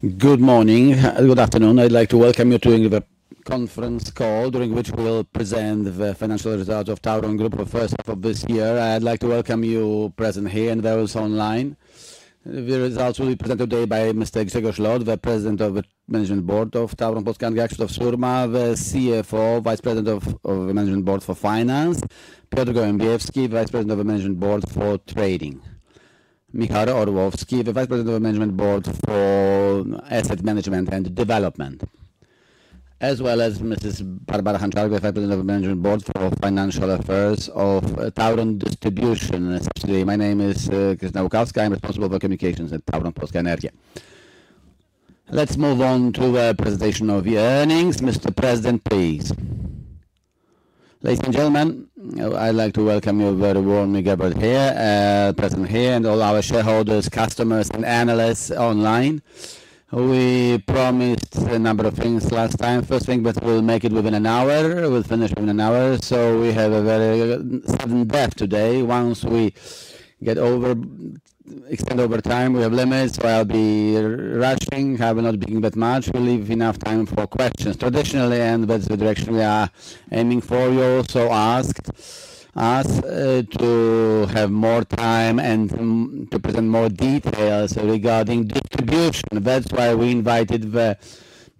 Good morning, good afternoon. I'd like to welcome you to the conference call during which we will present the financial results of TAURON Group, the first for this year. I'd like to welcome you present here and those online. The results will be presented today by Mr. Grzegorz Lot, the President of the Management Board of TAURON Polska Energia, Krzysztof Surmai, the CFO, Vice President of the Management Board for Finance, Piotr Gołębiowski, Vice President of the Management Board for Trading, Michał Orłowski, the Vice President of the Management Board for Asset Management and Development, as well as Vice President of the Management Board for Financial Affairs of TAURON. To brief you today, my name is Grzegorz Lot. I'm responsible for communications at TAURON Polska Energia. Let's move on to the presentation of the earnings. Mr. President, please. Ladies and gentlemen, I'd like to welcome you very warmly here and present here and all our shareholders, customers, and analysts online. We promised a number of things last time. First thing, we'll make it within an hour. We'll finish within an hour. We have a very good debt today. Once we get over, expand over time, we have limits. The rushing has not been that much. We'll leave enough time for questions. Traditionally, and that's the direction we are aiming for, we also ask to have more time and to present more details regarding distribution. That's why we invited the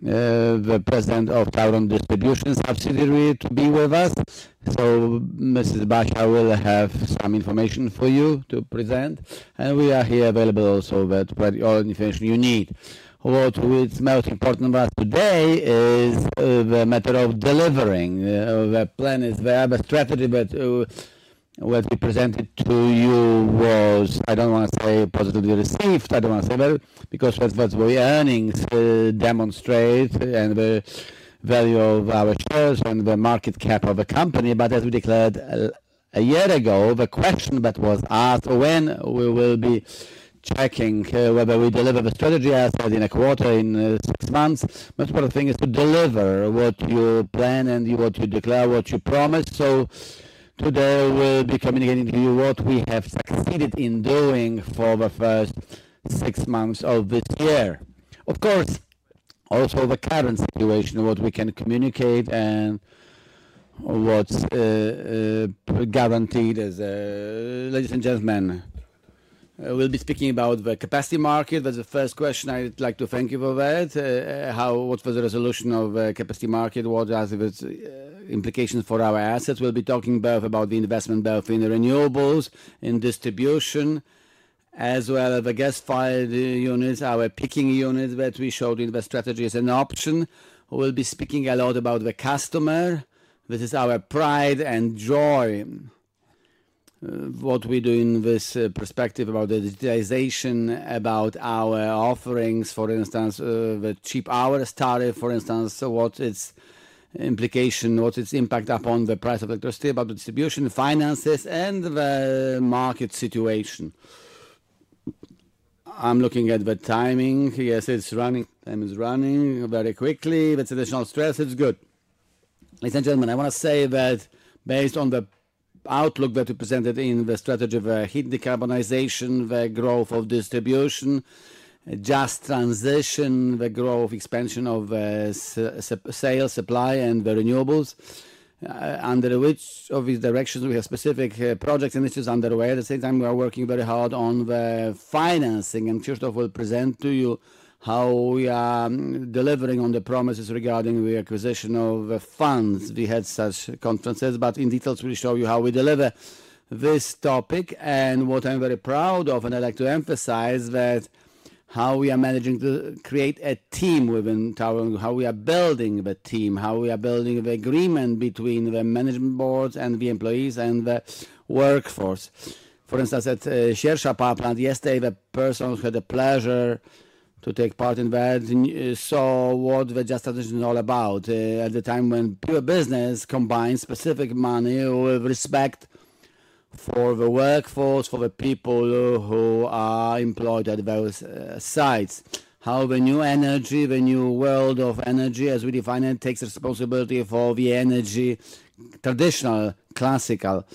President of TAURON Distribution Subsidiary to be with us. Mrs. Baker will have some information for you to present. We are here available also with all the information you need. What is most important about today is the matter of delivering. The plan is there, but the strategy that we presented to you was, I don't want to say positively received. I don't want to say that because what the earnings demonstrate and the value of our choice and the market cap of the company. As we declared a year ago, the question that was asked when we will be checking whether we deliver the strategy out by the end of the quarter, in six months, the most important thing is to deliver what you plan and what you declare, what you promise. Today we'll be communicating to you what we have succeeded in doing for the first six months of this year. Of course, also the current situation, what we can communicate and what's guaranteed as a... Ladies and gentlemen, we'll be speaking about the capacity market. That's the first question. I'd like to thank you for that. What was the resolution of the capacity market? What are the implications for our assets? We'll be talking both about the investment, both in renewables, in distribution, as well as the gas-fired units, our peaking units that we showed in the strategy as an option. We'll be speaking a lot about the customer. This is our pride and joy. What we do in this perspective about the digitization, about our offerings, for instance, the Cheap Hours tariff, for instance, what its implication, what its impact upon the price of electricity, about the distribution, finances, and the market situation. I'm looking at the timing. Yes, it's running. The time is running very quickly. With additional stress, it's good. Ladies and gentlemen, I want to say that based on the outlook that we presented in the strategy of a heat decarbonization, the growth of distribution, a just transition, the growth, expansion of the sales, supply, and the renewables, under which of these directions we have specific projects and issues underway. At the same time, we are working very hard on the financing. First off, we'll present to you how we are delivering on the promises regarding the acquisition of funds. We had such conferences, but in detail, we'll show you how we deliver this topic and what I'm very proud of. I'd like to emphasize that how we are managing to create a team within TAURON, how we are building the team, how we are building the agreement between the management boards and the employees and the workforce. For instance, at ShareShop Upland yesterday, the person who had the pleasure to take part in that saw what the just strategy is all about. At the time when business combines specific money with respect for the workforce, for the people who are employed at various sites, how the new energy, the new world of energy, as we define it, takes responsibility for the energy, traditional, classical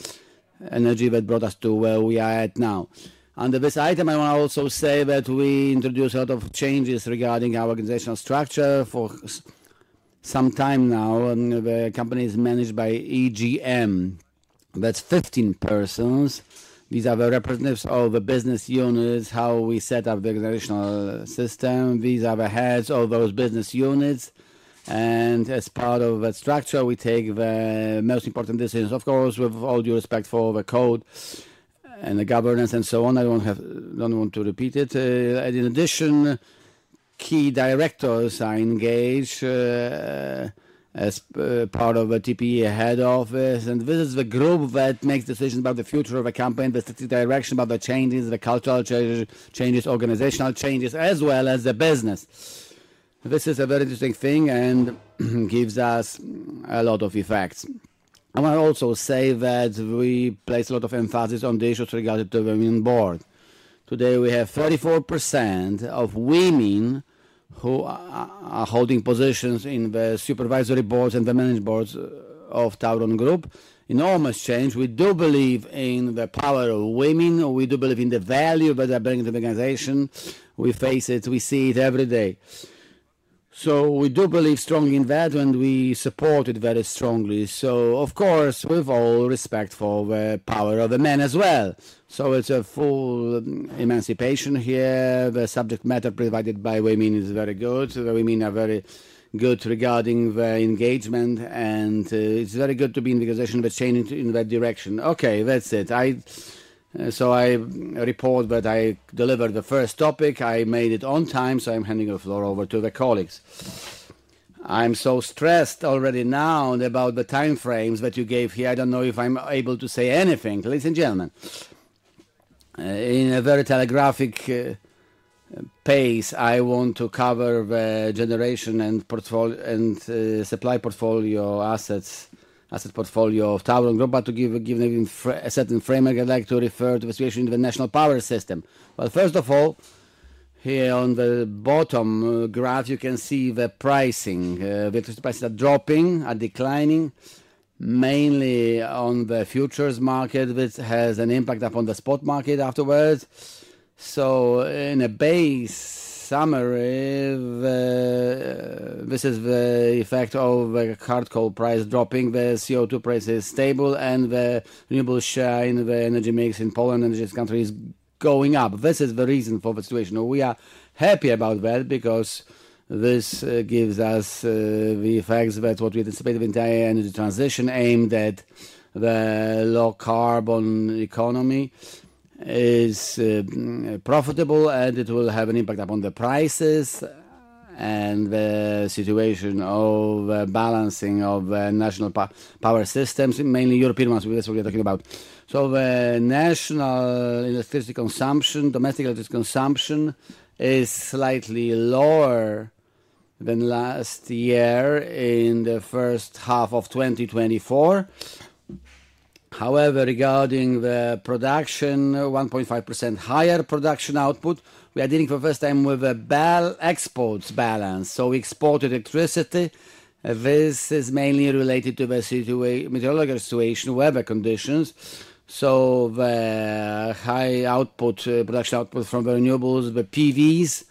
energy that brought us to where we are at now. Under this item, I want to also say that we introduced a lot of changes regarding our organizational structure for some time now. The company is managed by EGM. That's 15 persons. These are the representatives of the business units, how we set up the organizational system. These are the heads of those business units. As part of that structure, we take the most important decisions, of course, with all due respect for the code and the governance and so on. I don't want to repeat it. In addition, key directors are engaged as part of the TPE head office. This is the group that makes decisions about the future of the company, the strategic direction, about the changes, the cultural changes, organizational changes, as well as the business. This is a very interesting thing and gives us a lot of effects. I want to also say that we place a lot of emphasis on the issues regarding the women on the board. Today, we have 34% of women who are holding positions in the supervisory boards and the management boards of TAURON Group. Enormous change. We do believe in the power of women. We do believe in the value that they're bringing to the organization. We face it. We see it every day. We do believe strongly in that and we support it very strongly. Of course, with all respect for the power of the men as well. It's a full emancipation here. The subject matter provided by women is very good. The women are very good regarding the engagement and it's very good to be in the organization that's changing in that direction. Okay, that's it. I report that I delivered the first topic. I made it on time, so I'm handing the floor over to the colleagues. I'm so stressed already now about the timeframes that you gave here. I don't know if I'm able to say anything. Ladies and gentlemen, in a very telegraphic pace, I want to cover the generation and supply portfolio assets, asset portfolio of TAURON Group, but to give a certain framework, I'd like to refer to the situation in the national power system. First of all, here on the bottom graph, you can see the pricing. The electricity prices are dropping, are declining, mainly on the futures market, which has an impact upon the spot market afterwards. In a base summary, this is the effect of the hardcore price dropping. The CO2 price is stable and the renewable share in the energy mix in Poland and the energy industry is going up. This is the reason for the situation. We are happy about that because this gives us the effects that what we anticipated with the entire energy transition aim that the low carbon economy is profitable and it will have an impact upon the prices and the situation of the balancing of the national power systems, mainly European ones, which is what we're talking about. The national electricity consumption, domestic electricity consumption is slightly lower than last year in the first half of 2024. However, regarding the production, 1.5% higher production output, we are dealing for the first time with a balance exports balance. We exported electricity. This is mainly related to the meteorological situation, weather conditions. The high production output from the renewables, the PVs,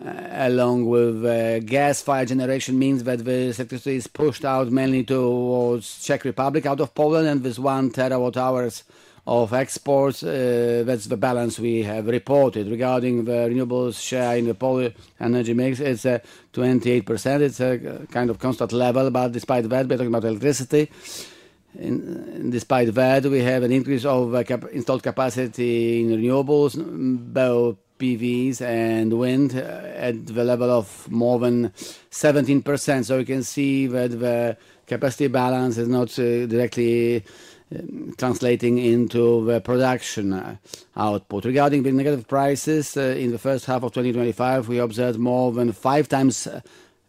along with the gas-fired generation means that the electricity is pushed out mainly towards Czech Republic, out of Poland, and with 1 terawatt hours of exports, that's the balance we have reported. Regarding the renewables share in the Polish energy mix, it's 28%. It's a kind of constant level, but despite that, we're talking about electricity. Despite that, we have an increase of installed capacity in renewables, both PVs and wind, at the level of more than 17%. We can see that the capacity balance is not directly translating into the production output. Regarding the negative prices, in the first half of 2025, we observed more than five times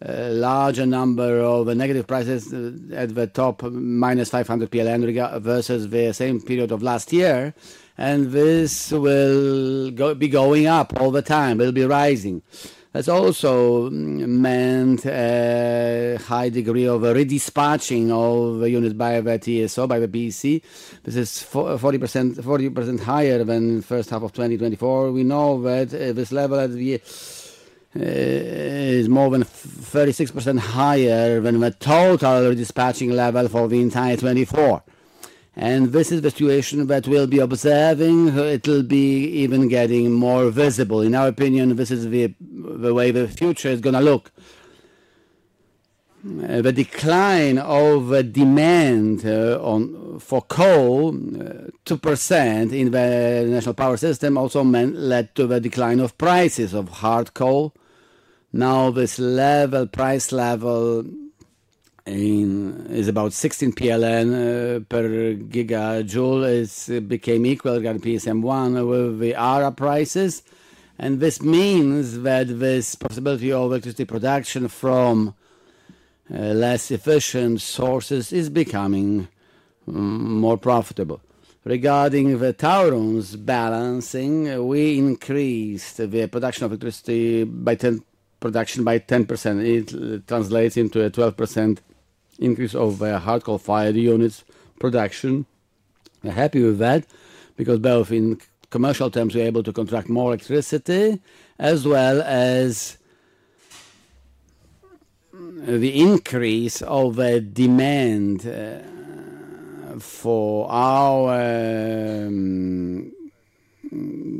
a larger number of negative prices at the top, minus 500 PLN versus the same period of last year. This will be going up all the time. It'll be rising. That also meant a high degree of redispatching of units by the TSO, by the PSE. This is 40% higher than the first half of 2024. We know that this level is more than 36% higher than the total redispatching level for the entire 2024. This is the situation that we'll be observing. It'll be even getting more visible. In our opinion, this is the way the future is going to look. The decline of the demand for coal, 2% in the national power system, also led to the decline of prices of hard coal. Now this price level is about 16 PLN per gigajoule. It became equal to PSM1 with the ARA prices. This means that this possibility of electricity production from less efficient sources is becoming more profitable. Regarding TAURON's balancing, we increased the production of electricity by 10%. It translates into a 12% increase of the hard coal-fired units production. We're happy with that because both in commercial terms, we're able to contract more electricity, as well as the increase of the demand for our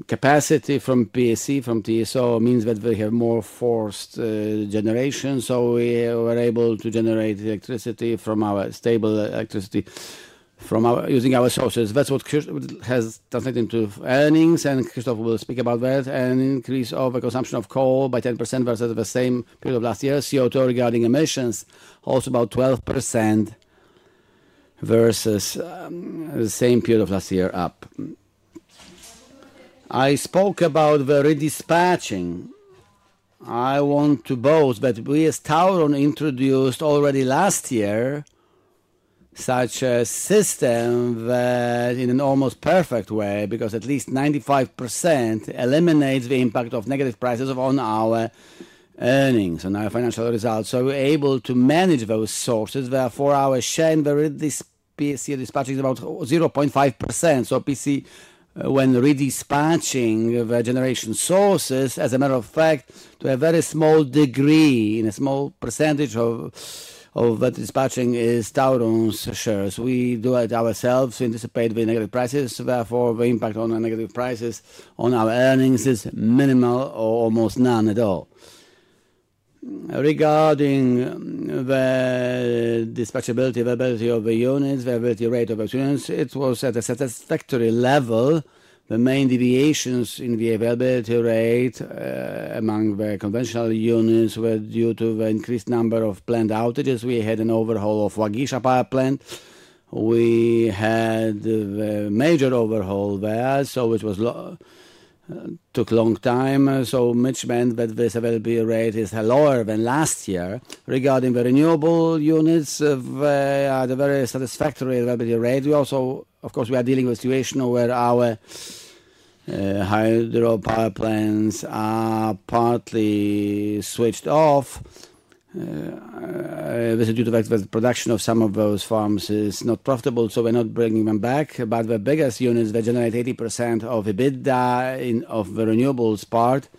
capacity from PSE, from TSO, means that we have more forced generation. We were able to generate electricity from our stable electricity using our sources. That's what has translated into earnings, and Caspar will speak about that. An increase of the consumption of coal by 10% versus the same period of last year. CO2 regarding emissions, also about 12% versus the same period of last year up. I spoke about the redispatching. We as TAURON introduced already last year such a system that in an almost perfect way, because at least 95%, eliminates the impact of negative prices on our earnings, on our financial results. We're able to manage those sources. Therefore, our share in the PC dispatching is about 0.5%. PC, when redispatching the generation sources, as a matter of fact, to a very small degree, in a small percentage of the dispatching, is TAURON's shares. We do it ourselves, we anticipate the negative prices. Therefore, the impact on the negative prices on our earnings is minimal or almost none at all. Regarding the dispatchability, availability of the units, the availability rate of the units was at a satisfactory level. The main deviations in the availability rate among the conventional units were due to the increased number of planned outages. We had an overhaul of the Wagisha power plant. We had a major overhaul there, which took a long time. This meant that this availability rate is lower than last year. Regarding the renewable units, they are at a very satisfactory availability rate. We also, of course, are dealing with a situation where our hydro power plants are partly switched off. This is due to the fact that the production of some of those farms is not profitable, so we're not bringing them back. The biggest units generate 80% of EBITDA of the renewables part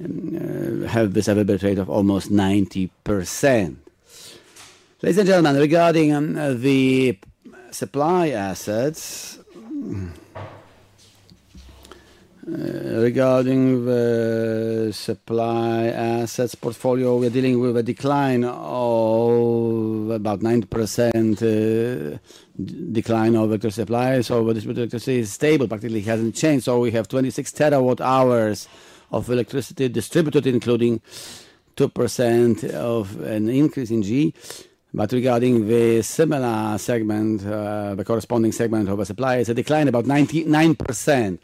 and have this availability rate of almost 90%. Ladies and gentlemen, regarding the supply assets, regarding the supply assets portfolio, we're dealing with a decline of about 9% decline of electricity supplies. The distribution of electricity is stable, practically hasn't changed. We have 26 terawatt hours of electricity distributed, including 2% of an increase in G. Regarding the similar segment, the corresponding segment of our suppliers, a decline about 99%.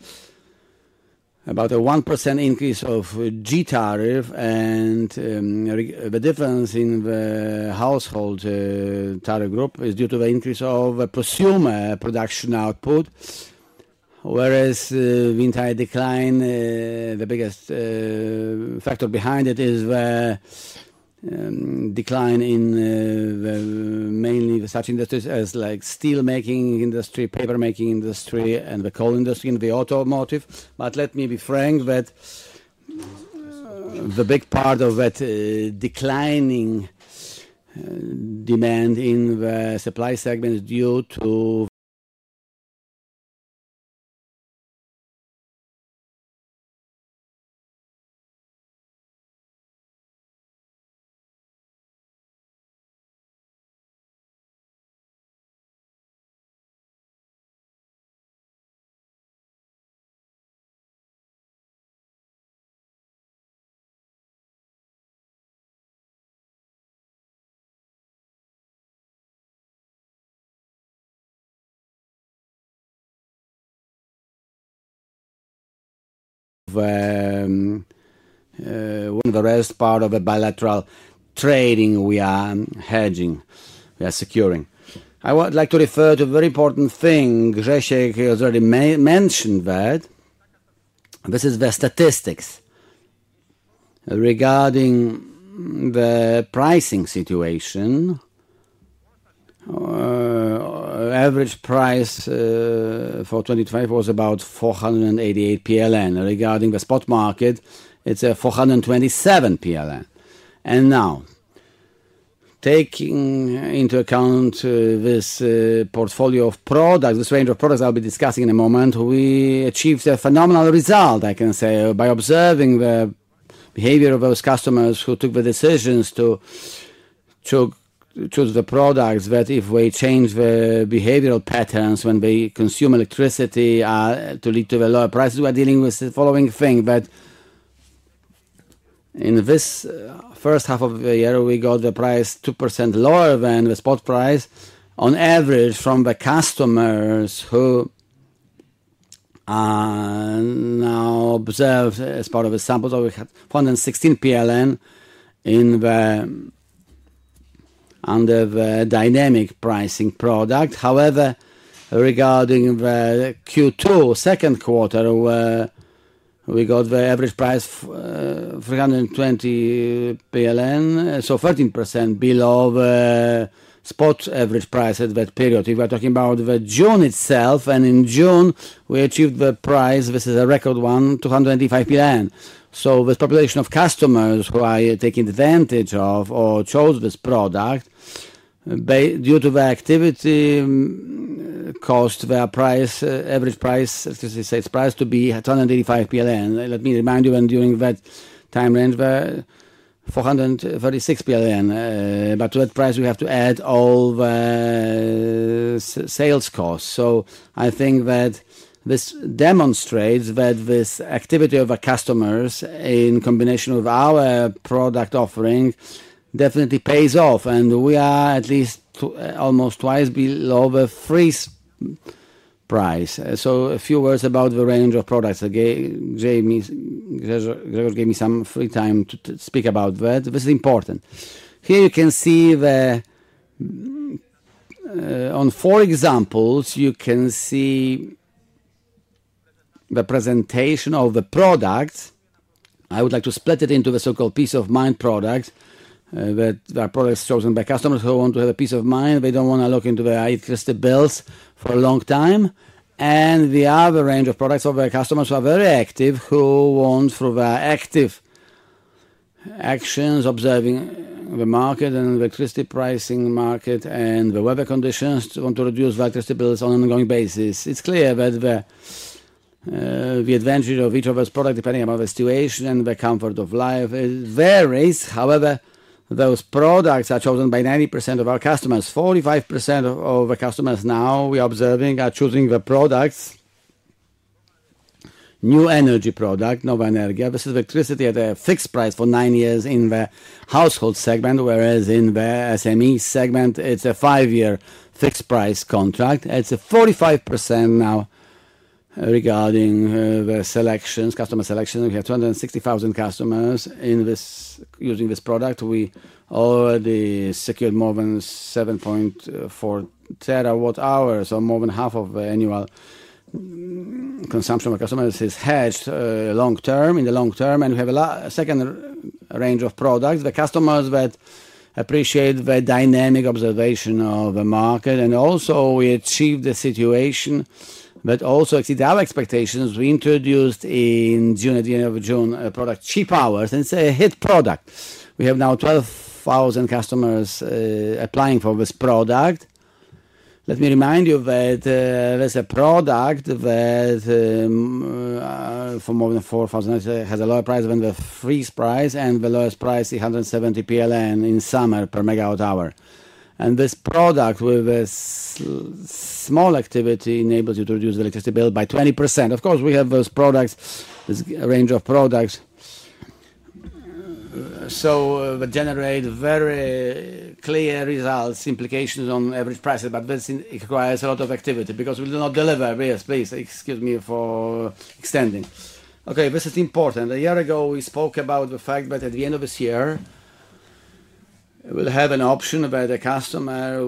About a 1% increase of G tariff, and the difference in the household tariff group is due to the increase of the prosumer production output. The entire decline, the biggest factor behind it, is the decline in mainly such industries as the steelmaking industry, papermaking industry, the coal industry, and the automotive. Let me be frank that the big part of that declining demand in the supply segment is due to the rest part of the bilateral trading we are hedging, we are securing. I would like to refer to a very important thing. Grzegorz has already mentioned that this is the statistics regarding the pricing situation. The average price for 2025 was about 488 PLN. Regarding the spot market, it's 427 PLN. Now, taking into account this portfolio of products, this range of products I'll be discussing in a moment, we achieved a phenomenal result, I can say, by observing the behavior of those customers who took the decisions to choose the products that if we change the behavioral patterns when they consume electricity to lead to a lower price, we are dealing with the following thing. In this first half of the year, we got the price 2% lower than the spot price on average from the customers who are now observed as part of a sample of 116 PLN under the dynamic pricing product. However, regarding Q2, second quarter, we got the average price 320 PLN, so 13% below the spot average price at that period. If we're talking about June itself, and in June, we achieved the price, this is a record one, PLN 285. This population of customers who are taking advantage of or chose this product due to the activity cost, their average price, electricity sales price to be 285 PLN. Let me remind you when during that time range were 436 PLN. To that price, you have to add all the sales costs. I think that this demonstrates that this activity of our customers in combination with our product offering definitely pays off. We are at least almost twice below the free price. A few words about the range of products. Again, Grzegorz gave me some free time to speak about that. This is important. Here you can see, on four examples, you can see the presentation of the products. I would like to split it into the so-called peace of mind products. There are products chosen by customers who want to have a peace of mind. They don't want to look into their electricity bills for a long time. The other range of products of our customers who are very active, who want through their active actions, observing the market and the electricity pricing market and the weather conditions, want to reduce their electricity bills on an ongoing basis. It's clear that the advantage of each of those products, depending on the situation and the comfort of life, varies. However, those products are chosen by 90% of our customers. 45% of our customers now we are observing are choosing the products, new energy product, Nova Energia. This is electricity at a fixed price for nine years in the household segment, whereas in the SME segment, it's a five-year fixed price contract. It's a 45% now regarding the customer selection. We have 260,000 customers using this product. We already secured more than 7.4 terawatt hours, so more than half of the annual consumption of our customers is hedged long term, in the long term. We have a second range of products. The customers that appreciate the dynamic observation of the market and also we achieve the situation that also exceeds our expectations. We introduced in June at the end of June, a product Cheap Hours, and it's a hit product. We have now 12,000 customers applying for this product. Let me remind you that it's a product that for more than 4,000 has a lower price than the freeze price, and the lowest price is 170 PLN in summer per megawatt hour. This product with a small activity enables you to reduce the electricity bill by 20%. Of course, we have those products, this range of products, so that generate very clear results, implications on average prices, but this requires a lot of activity because we do not deliver. Yes, please, excuse me for extending. This is important. A year ago, we spoke about the fact that at the end of this year, we'll have an option where the customer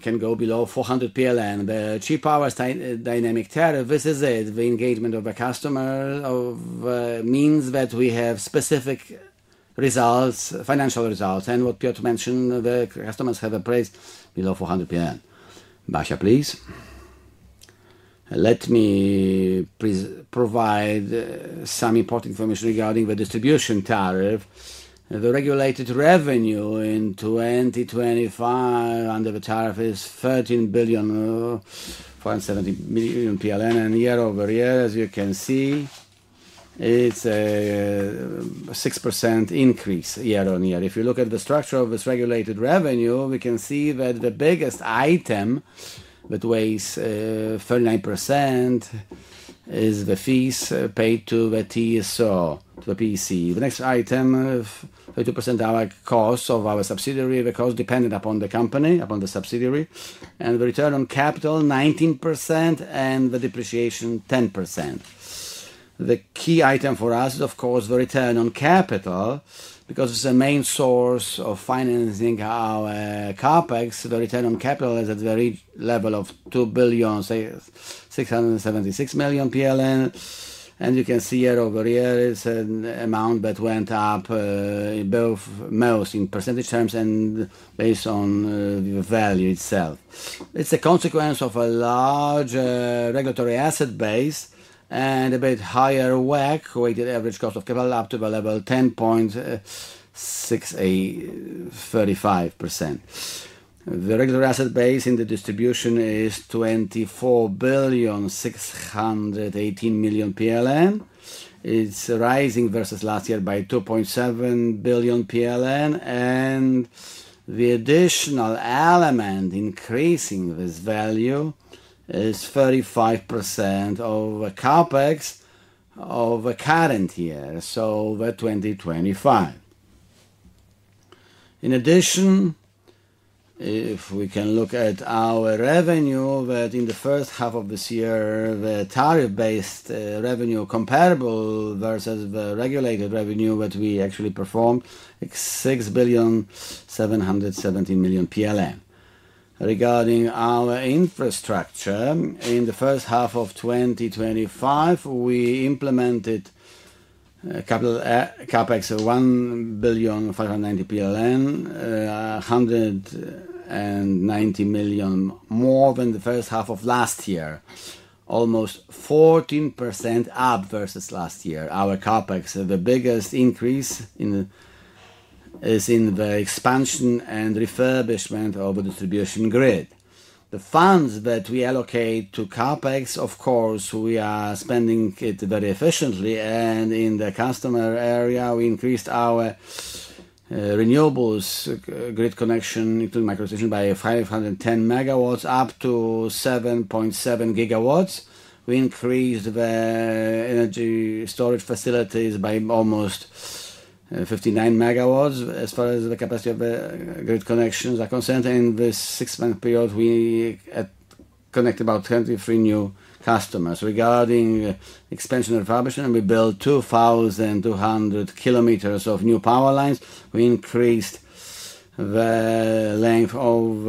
can go below 400 PLN. The Cheap Hours dynamic tariff, this is it. The engagement of the customer means that we have specific results, financial results, and what Piotr mentioned, the customers have a price below 400 PLN. Basha, please. Let me please provide some important information regarding the distribution tariff. The regulated revenue in 2025 under the tariff is 13 billion 470 million PLN, and year-over-year, as you can see, it's a 6% increase year on year. If you look at the structure of this regulated revenue, we can see that the biggest item that weighs 39% is the fees paid to the TSO, to the PC. The next item, 32% of our costs of our subsidiary, the cost dependent upon the company, upon the subsidiary, and the return on capital, 19%, and the depreciation, 10%. The key item for us is, of course, the return on capital because it's the main source of financing our CapEx. The return on capital is at the level of 2 billion 676 million PLN. You can see year-over-year, it's an amount that went up in both most in percentage terms and based on the value itself. It's a consequence of a large regulatory asset base and a bit higher WACC, weighted average cost of capital, up to a level of 10.635%. The regulatory asset base in the distribution is 24,618 million PLN. It's rising versus last year by 2.7 billion PLN. The additional element increasing this value is 35% of the CapEx of the current year, so the 2025. In addition, if we look at our revenue, in the first half of this year, the tariff-based revenue comparable versus the regulated revenue that we actually performed is 6,717 million. Regarding our infrastructure, in the first half of 2025, we implemented a capital CapEx of 1,590 million PLN, 190 million more than the first half of last year, almost 14% up versus last year. Our CapEx, the biggest increase is in the expansion and refurbishment of the distribution grid. The funds that we allocate to CapEx, of course, we are spending it very efficiently. In the customer area, we increased our renewables grid connection to micro-institution by 510 megawatts, up to 7.7 GW. We increased the energy storage facilities by almost 59 megawatts as far as the capacity of the grid connections are concerned. In this six-month period, we connect about 23 new customers. Regarding expansion and refurbishment, we built 2,200 kilometers of new power lines. We increased the length of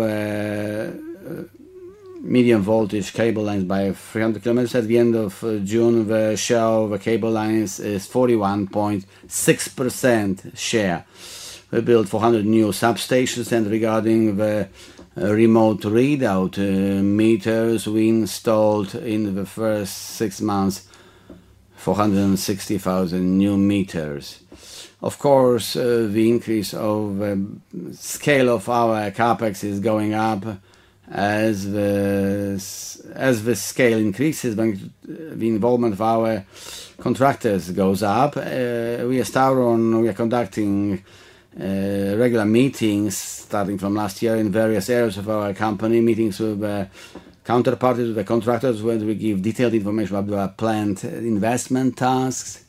medium voltage cable lines by 300 kilometers. At the end of June, the share of cable lines is a 41.6% share. We built 400 new substations. Regarding the remote readout meters, we installed in the first six months 460,000 new meters. The increase of the scale of our CapEx is going up as the scale increases and the involvement of our contractors goes up. At TAURON, we are conducting regular meetings starting from last year in various areas of our company, meetings with the counterparts, with the contractors, where we give detailed information about the planned investment tasks.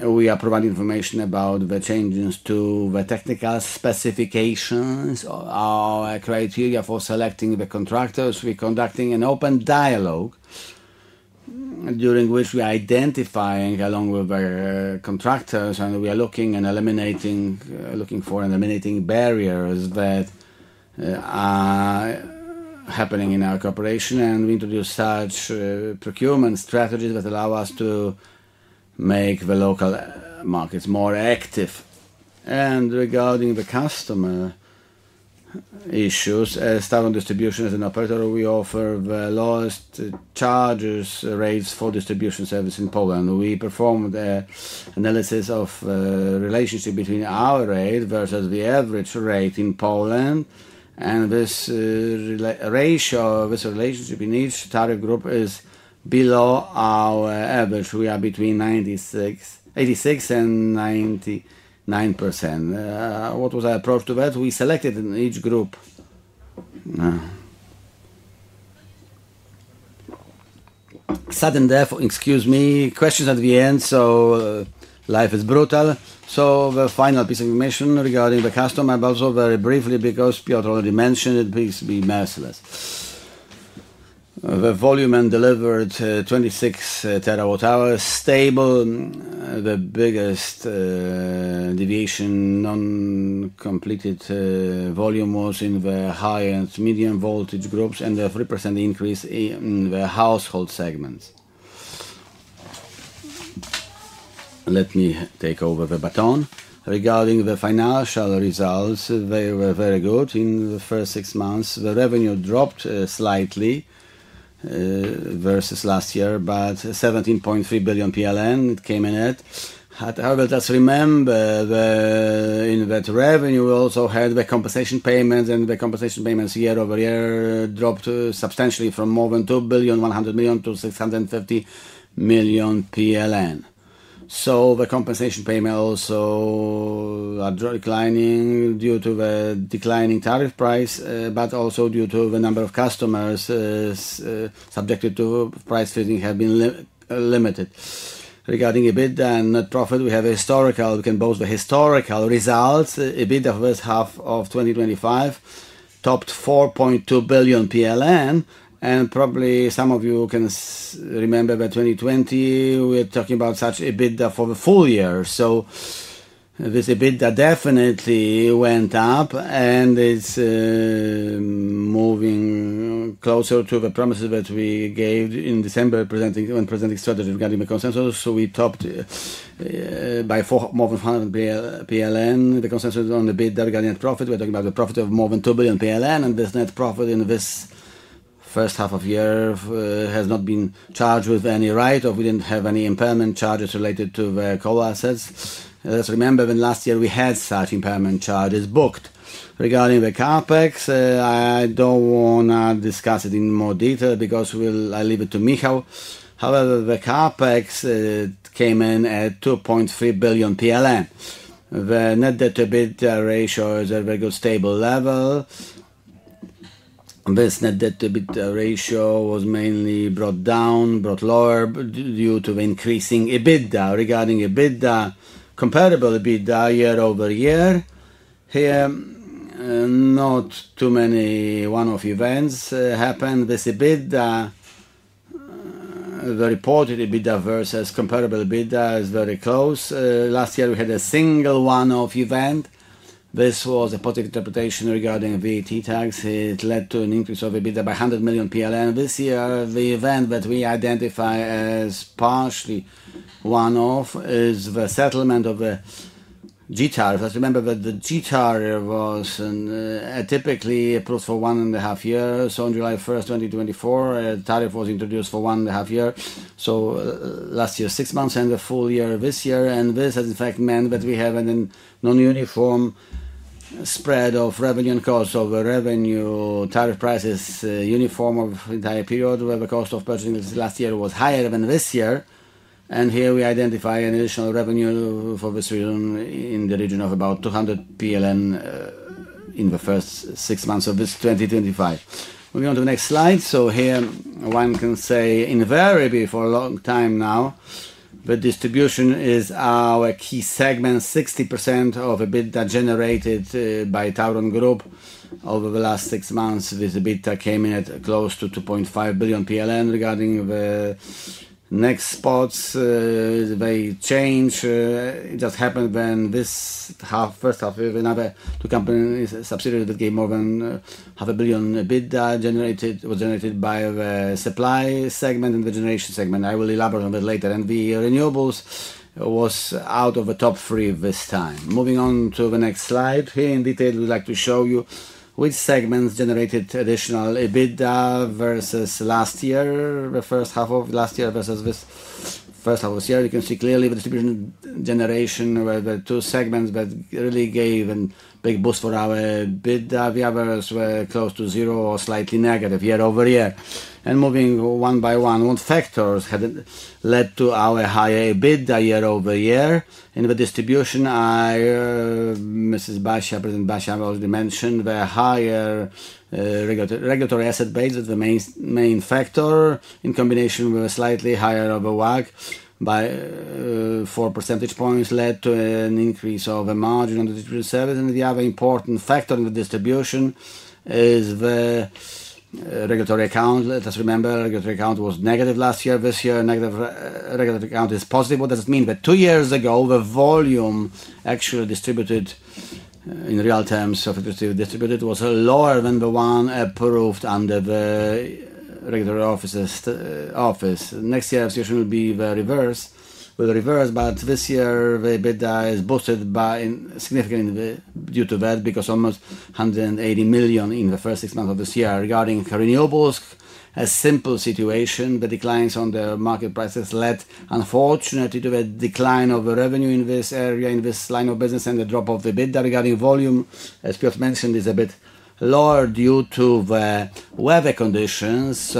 We are providing information about the changes to the technical specifications, our criteria for selecting the contractors. We're conducting an open dialogue during which we are identifying along with our contractors, and we are looking for and eliminating barriers that are happening in our corporation. We introduce such procurement strategies that allow us to make the local markets more active. Regarding the customer issues, as TAURON Distribution is an operator, we offer the lowest charge rates for distribution service in Poland. We perform the analysis of the relationship between our rate versus the average rate in Poland. This ratio, this relationship in each target group, is below our average. We are between 86% and 99%. What was our approach to that? We selected in each group. Sudden death, excuse me, questions at the end. Life is brutal. The final piece of information regarding the customer, but also very briefly because Piotr already mentioned it, please be merciless. The volume delivered 26 terawatt hours, stable. The biggest deviation, non-completed volume was in the high and medium voltage groups, and a 3% increase in the household segments. Let me take over the baton. Regarding the financial results, they were very good in the first six months. The revenue dropped slightly versus last year, but 17.3 billion PLN came in it. However, let us remember that in that revenue, we also had the compensation payments, and the compensation payments year-over-year dropped substantially from more than 2,100 million to 630 million PLN. The compensation payments also are declining due to the declining tariff price, but also due to the number of customers subjected to price freezing have been limited. Regarding EBITDA and net profit, we have a historical, we can boast the historical results. EBITDA for the first half of 2025 topped 4.2 billion PLN. Probably some of you can remember that in 2020, we're talking about such EBITDA for the full year. This EBITDA definitely went up and is moving closer to the promises that we gave in December when presenting strategies regarding the consensus. We topped by more than PLN 100 billion. The consensus is on EBITDA regarding net profit. We're talking about a profit of more than PLN 2 billion. This net profit in this first half of the year has not been charged with any right, or we didn't have any impairment charges related to the coal assets. Let's remember that last year we had such impairment charges booked. Regarding the CapEx, I don't want to discuss it in more detail because I'll leave it to Michele. However, the CapEx came in at 2.3 billion PLN. The net debt to EBITDA ratio is a very good stable level. This net debt to EBITDA ratio was mainly brought down, brought lower due to the increasing EBITDA. Regarding EBITDA, comparable EBITDA year-over-year, here, not too many one-off events happened. This EBITDA, the reported EBITDA versus comparable EBITDA is very close. Last year, we had a single one-off event. This was a positive interpretation regarding VAT tax. It led to an increase of EBITDA by 100 million PLN. This year, the event that we identify as partially one-off is the settlement of the G tariff. Let's remember that the G tariff was typically approved for one and a half years. On July 1, 2024, a tariff was introduced for one and a half years. Last year, six months and a full year this year. This has, in fact, meant that we have a non-uniform spread of revenue and cost. The revenue tariff price is uniform over the entire period where the cost of purchasing last year was higher than this year. Here, we identify an additional revenue for this region in the region of about 200 million PLN in the first six months of 2025. Moving on to the next slide. One can say invariably for a long time now, the distribution is our key segment. 60% of EBITDA generated by TAURON Group over the last six months with EBITDA came in at close to 2.5 billion PLN. Regarding the next spots, they change. It just happened when this half, first half, we have another two subsidiaries that gave more than half a billion EBITDA generated. It was generated by the supply segment and the generation segment. I will elaborate on that later. The renewables was out of the top three this time. Moving on to the next slide. Here in detail, we'd like to show you which segments generated additional EBITDA versus last year, the first half of last year versus this first half of this year. You can see clearly the distribution generation where the two segments that really gave a big boost for our EBITDA were close to zero or slightly negative year-over-year. Moving one by one, what factors had led to our higher EBITDA year-over-year in the distribution are Mrs. Barbara Hantura, President Barbara Hantura, who has already mentioned, the higher regulatory asset base is the main factor in combination with a slightly higher WACC by 4% led to an increase of the margin on the distribution service. The other important factor in the distribution is the regulatory account. Let us remember, the regulatory account was negative last year. This year, the negative regulatory account is positive. What does this mean? Two years ago, the volume actually distributed in real terms, so if it was distributed, was lower than the one approved under the regulatory offices. Next year, the situation will be the reverse. We'll reverse, but this year, the EBITDA is boosted significantly due to that because almost 180 million in the first six months of this year. Regarding the renewables, a simple situation, the declines on the market prices led, unfortunately, to a decline of the revenue in this area in this line of business and the drop of EBITDA. Regarding volume, as Piotr mentioned, is a bit lower due to the weather conditions.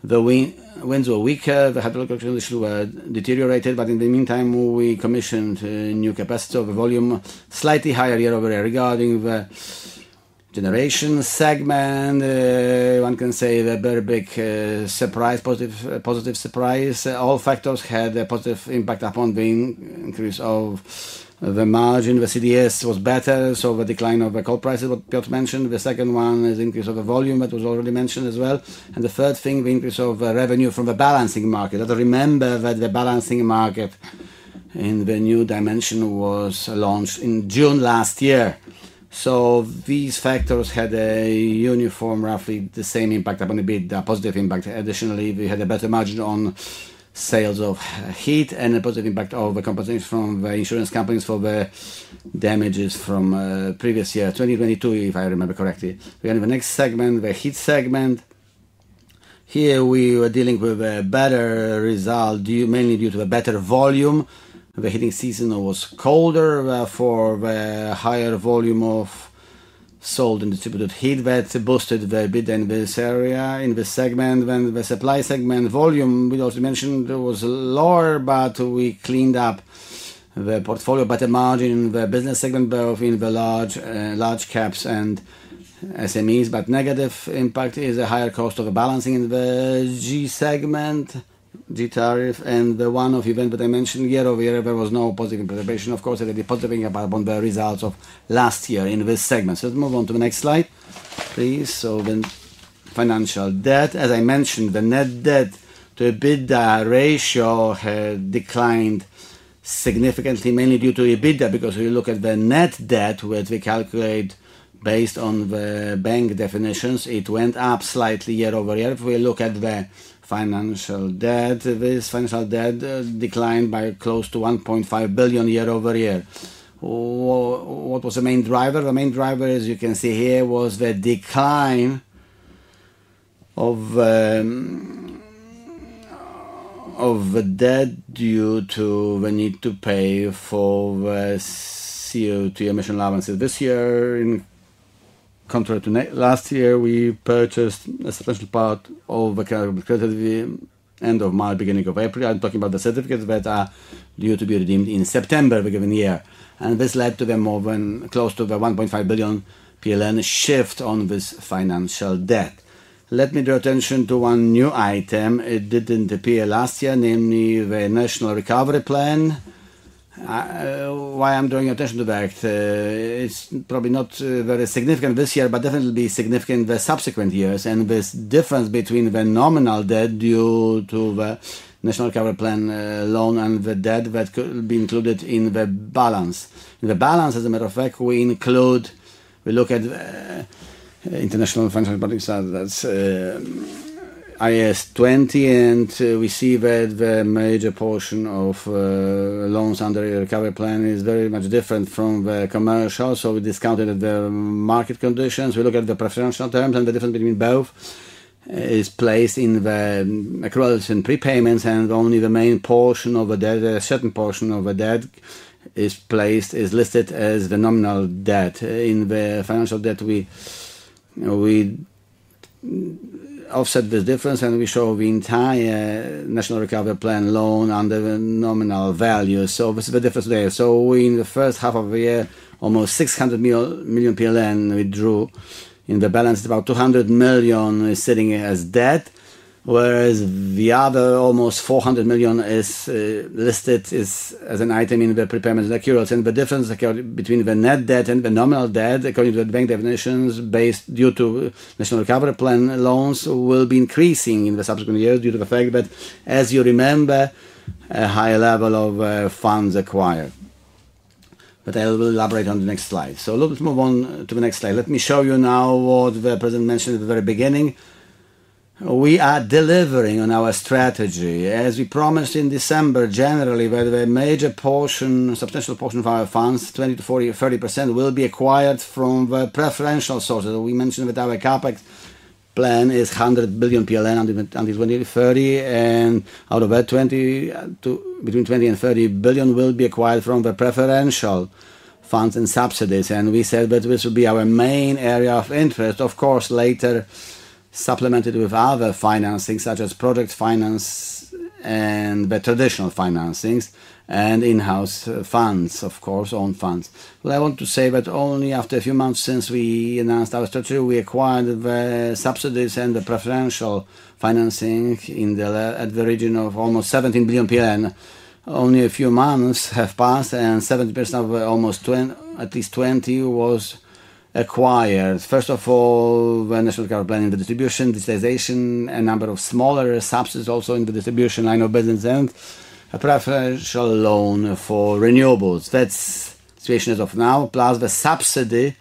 The winds were weaker, the hydrological conditions were deteriorated, but in the meantime, we commissioned new capacity of the volume slightly higher year-over-year. Regarding the generation segment, one can say the very big surprise, positive surprise. All factors had a positive impact upon the increase of the margin. The CDS was better, the decline of the coal prices, what Piotr mentioned. The second one is the increase of the volume that was already mentioned as well. The third thing, the increase of revenue from the balancing market. Let us remember that the balancing market in the new dimension was launched in June last year. These factors had a uniform, roughly the same impact upon EBITDA, positive impact. Additionally, we had a better margin on sales of heat and a positive impact of the compensation from the insurance companies for the damages from previous year, 2022, if I remember correctly. Regarding the next segment, the heat segment, here we were dealing with a better result, mainly due to a better volume. The heating season was colder for the higher volume of sold and distributed heat that boosted the EBITDA in this area, in this segment. When the supply segment volume, as we also mentioned, was lower, we cleaned up the portfolio, better margin in the business segment, both in the large caps and SMEs. The negative impact is the higher cost of balancing in the G segment, G tariff, and the one-off event that I mentioned year-over-year, there was no positive improvement. Of course, a positive impact upon the results of last year in this segment. Let's move on to the next slide, please. The financial debt, as I mentioned, the net debt to EBITDA ratio had declined significantly, mainly due to EBITDA, because we look at the net debt, which we calculate based on the bank definitions, it went up slightly year-over-year. If we look at the financial debt, this financial debt declined by close to 1.5 billion year-over-year. What was the main driver? The main driver, as you can see here, was the decline of the debt due to the need to pay for CO2 emission allowances. This year, in contrary to last year, we purchased a substantial part of the carbon credits at the end of March, beginning of April. I'm talking about the certificates that are due to be redeemed in September of a given year. This led to a more than close to the 1.5 billion PLN shift on this financial debt. Let me draw attention to one new item. It didn't appear last year, namely the National Recovery Plan. Why I'm drawing attention to that, it's probably not very significant this year, but definitely significant in the subsequent years. This difference between the nominal debt due to the National Recovery Plan loan and the debt that could be included in the balance. In the balance, as a matter of fact, we include, we look at the International Financial Reporting Service, IS20, and we see that the major portion of loans under the recovery plan is very much different from the commercial. We discounted the market conditions. We look at the preferential terms and the difference between both is placed in the accruals and prepayments. Only the main portion of the debt, a certain portion of the debt is placed, is listed as the nominal debt. In the financial debt, we offset this difference and we show the entire National Recovery Plan loan under the nominal value. This is the difference there. In the first half of the year, almost 600 million PLN withdrew. In the balance, about 200 million is sitting as debt, whereas the other almost 400 million is listed as an item in the prepayments and accruals. The difference between the net debt and the nominal debt, according to the bank definitions, based due to National Recovery Plan loans, will be increasing in the subsequent years due to the fact that, as you remember, a higher level of funds acquired. I will elaborate on the next slide. Let's move on to the next slide. Let me show you now what the President mentioned at the very beginning. We are delivering on our strategy. As we promised in December, generally, where the major portion, a substantial portion of our funds, 20% to 40% or 30%, will be acquired from the preferential sources. We mentioned that our CapEx plan is 100 billion PLN, PLN 120 to 130 billion, and out of that, between 20 and 30 billion will be acquired from the preferential funds and subsidies. We said that this would be our main area of interest. Of course, later supplemented with other financing, such as project finance and the traditional financing and in-house funds, of course, owned funds. I want to say that only after a few months since we announced our strategy, we acquired the subsidies and the preferential financing at the region of almost 17 billion PLN. Only a few months have passed, and 70% of almost 20, at least 20, was acquired. First of all, the National Recovery Plan in the distribution, digitization, a number of smaller subsidies also in the distribution, I know better than Zenk, a preferential loan for renewables. That's the situation as of now, plus the subsidy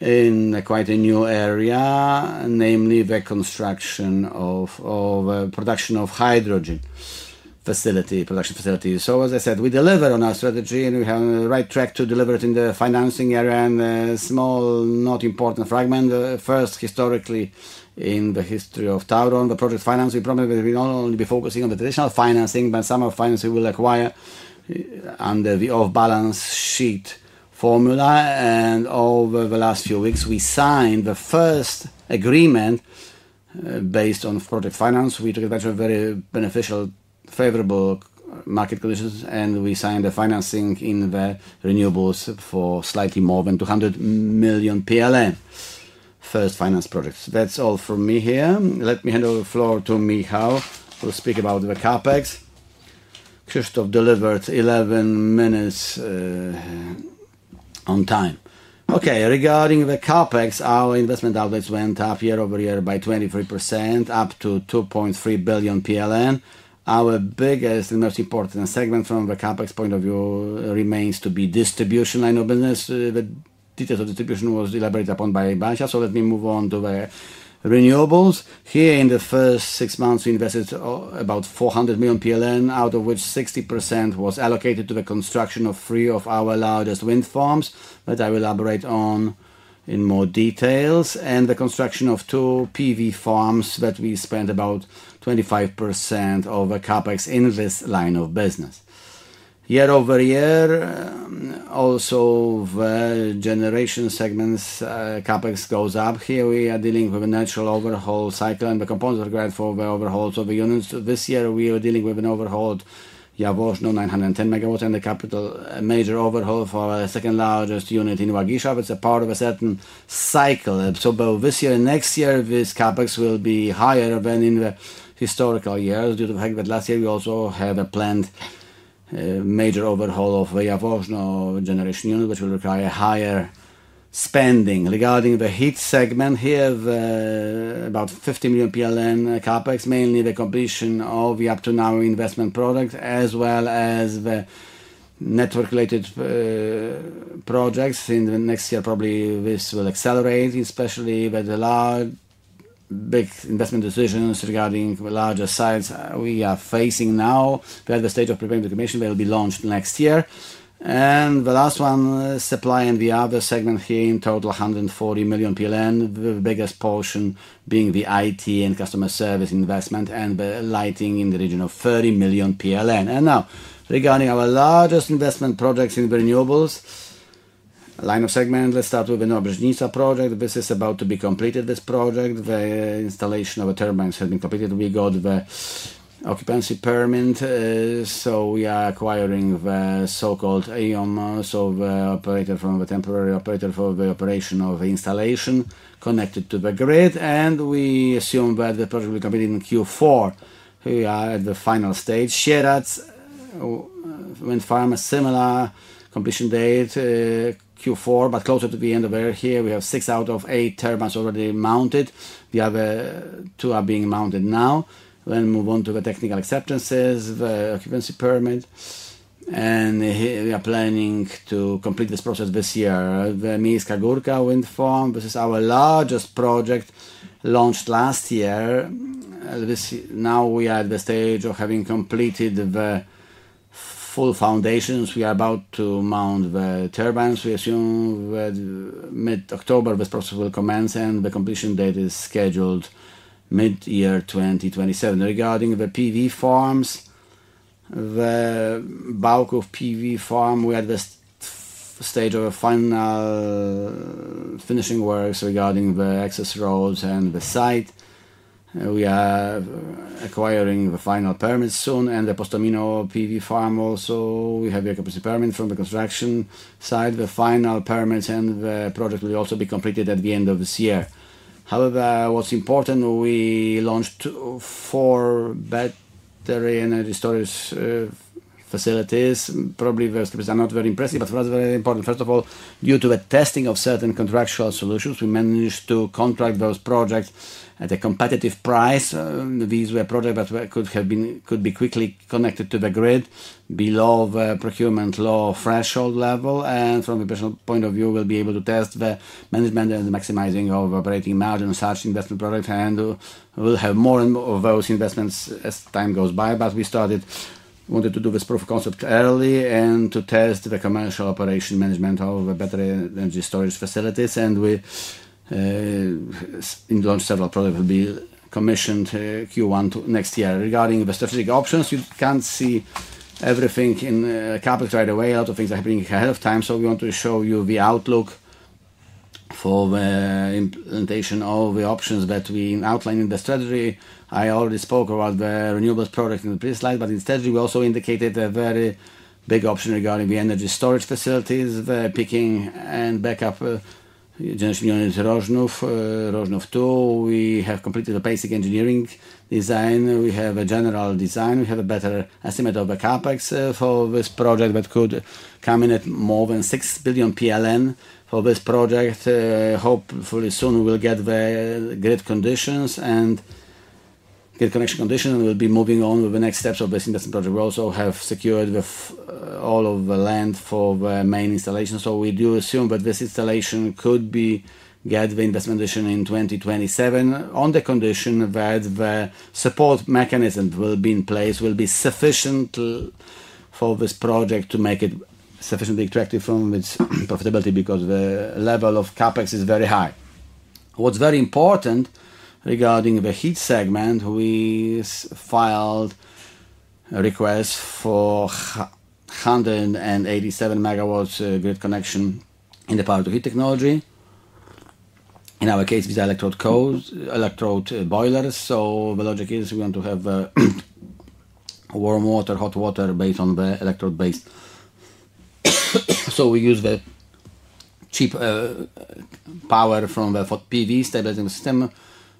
in quite a new area, namely the construction of the production of hydrogen facility, production facility. As I said, we deliver on our strategy and we have a right track to deliver it in the financing area and a small, not important fragment. The first historically in the history of TAURON, the project financing, we probably will not only be focusing on the traditional financing, but some of the financing we will acquire under the off-balance sheet formula. Over the last few weeks, we signed the first agreement based on project finance. We took advantage of very beneficial, favorable market conditions, and we signed the financing in the renewables for slightly more than 200 million first finance projects. That's all from me here. Let me hand over the floor to Michele, who will speak about the CapEx. Krzysztof delivered 11 minutes on time. Okay, regarding the CapEx, our investment outlets went up year-over-year by 23%, up to 2.3 billion PLN. Our biggest and most important segment from the CapEx point of view remains to be distribution. I know business, the details of distribution were elaborated upon by Basia, so let me move on to the renewables. Here in the first six months, we invested about 400 million PLN, out of which 60% was allocated to the construction of three of our largest wind farms that I will elaborate on in more detail, and the construction of two PV farms that we spent about 25% of the CapEx in this line of business. year-over-year, also the generation segment's CapEx goes up. Here we are dealing with a natural overhaul cycle and the components required for the overhauls of the units. This year we were dealing with an overhaul of Jaworzno, 910 megawatts, and the capital major overhaul for our second largest unit in Łagisza. It's a part of a certain cycle. Both this year and next year, this CapEx will be higher than in the historical years due to the fact that last year we also had a planned major overhaul of the Jaworzno generation unit, which will require higher spending. Regarding the heat segment, here about 50 million PLN CapEx, mainly the completion of the up to now investment projects, as well as the network-related projects. In the next year, probably this will accelerate, especially with the large, big investment decisions regarding the larger sites we are facing now. We are at the stage of preparing the commission that will be launched next year. The last one, supply and the other segment here in total, 140 million PLN, the biggest portion being the IT and customer service investment and the lighting in the region of 30 million PLN. Now, regarding our largest investment projects in renewables, line of segment, let's start with the Nowa Brodnica project. This is about to be completed, this project. The installation of the turbines has been completed. We got the occupancy permit, so we are acquiring the so-called AIOM, so the operator from the temporary operator for the operation of the installation connected to the grid. We assume that the project will be completed in Q4. Here we are at the final stage. Sieradz wind farm, a similar completion date, Q4, but closer to the end of the year. Here we have six out of eight turbines already mounted. The other two are being mounted now. Move on to the technical acceptances, the occupancy permit. Here we are planning to complete this process this year. The Mińska Górka wind farm, this is our largest project launched last year. Now we are at the stage of having completed the full foundations. We are about to mount the turbines. We assume that mid-October this process will commence, and the completion date is scheduled mid-year 2027. Regarding the PV farms, the bulk of PV farms, we are at the stage of final finishing works regarding the access roads and the site. We are acquiring the final permits soon. The Postomino PV farm also, we have the occupancy permit from the construction side. The final permits and the project will also be completed at the end of this year. However, what's important, we launched two four battery energy storage facilities. Probably those facilities are not very impressive, but rather very important. First of all, due to the testing of certain contractual solutions, we managed to contract those projects at a competitive price. These were projects that could be quickly connected to the grid below the procurement law threshold level. From a professional point of view, we'll be able to test the management and the maximizing of operating margin on such investment products. We'll have more and more of those investments as time goes by. We started, wanted to do this proof of concept early and to test the commercial operation management of the battery energy storage facilities. We launched several projects that will be commissioned Q1 next year. Regarding the strategic options, you can't see everything in CapEx right away. A lot of things are happening ahead of time. We want to show you the outlook for the implementation of the options that we outlined in the strategy. I already spoke about the renewables products in the previous slide, but in the strategy, we also indicated a very big option regarding the energy storage facilities, the peaking and backup generation units, Rożnów 2. We have completed a basic engineering design. We have a general design. We have a better estimate of the CapEx for this project that could come in at more than 6 billion PLN for this project. Hopefully soon, we'll get the grid conditions and grid connection conditions, and we'll be moving on with the next steps of this investment project. We also have secured all of the land for the main installation. We do assume that this installation could get the investment addition in 2027 on the condition that the support mechanism that will be in place will be sufficient for this project to make it sufficiently attractive from its profitability because the level of CapEx is very high. What's very important regarding the heat segment, we filed a request for 187 megawatts grid connection in the power-to-heat technology. In our case, these are electrode boilers. The logic is we want to have warm water, hot water based on the electrode base. We use the cheap power from the PV stabilizing system,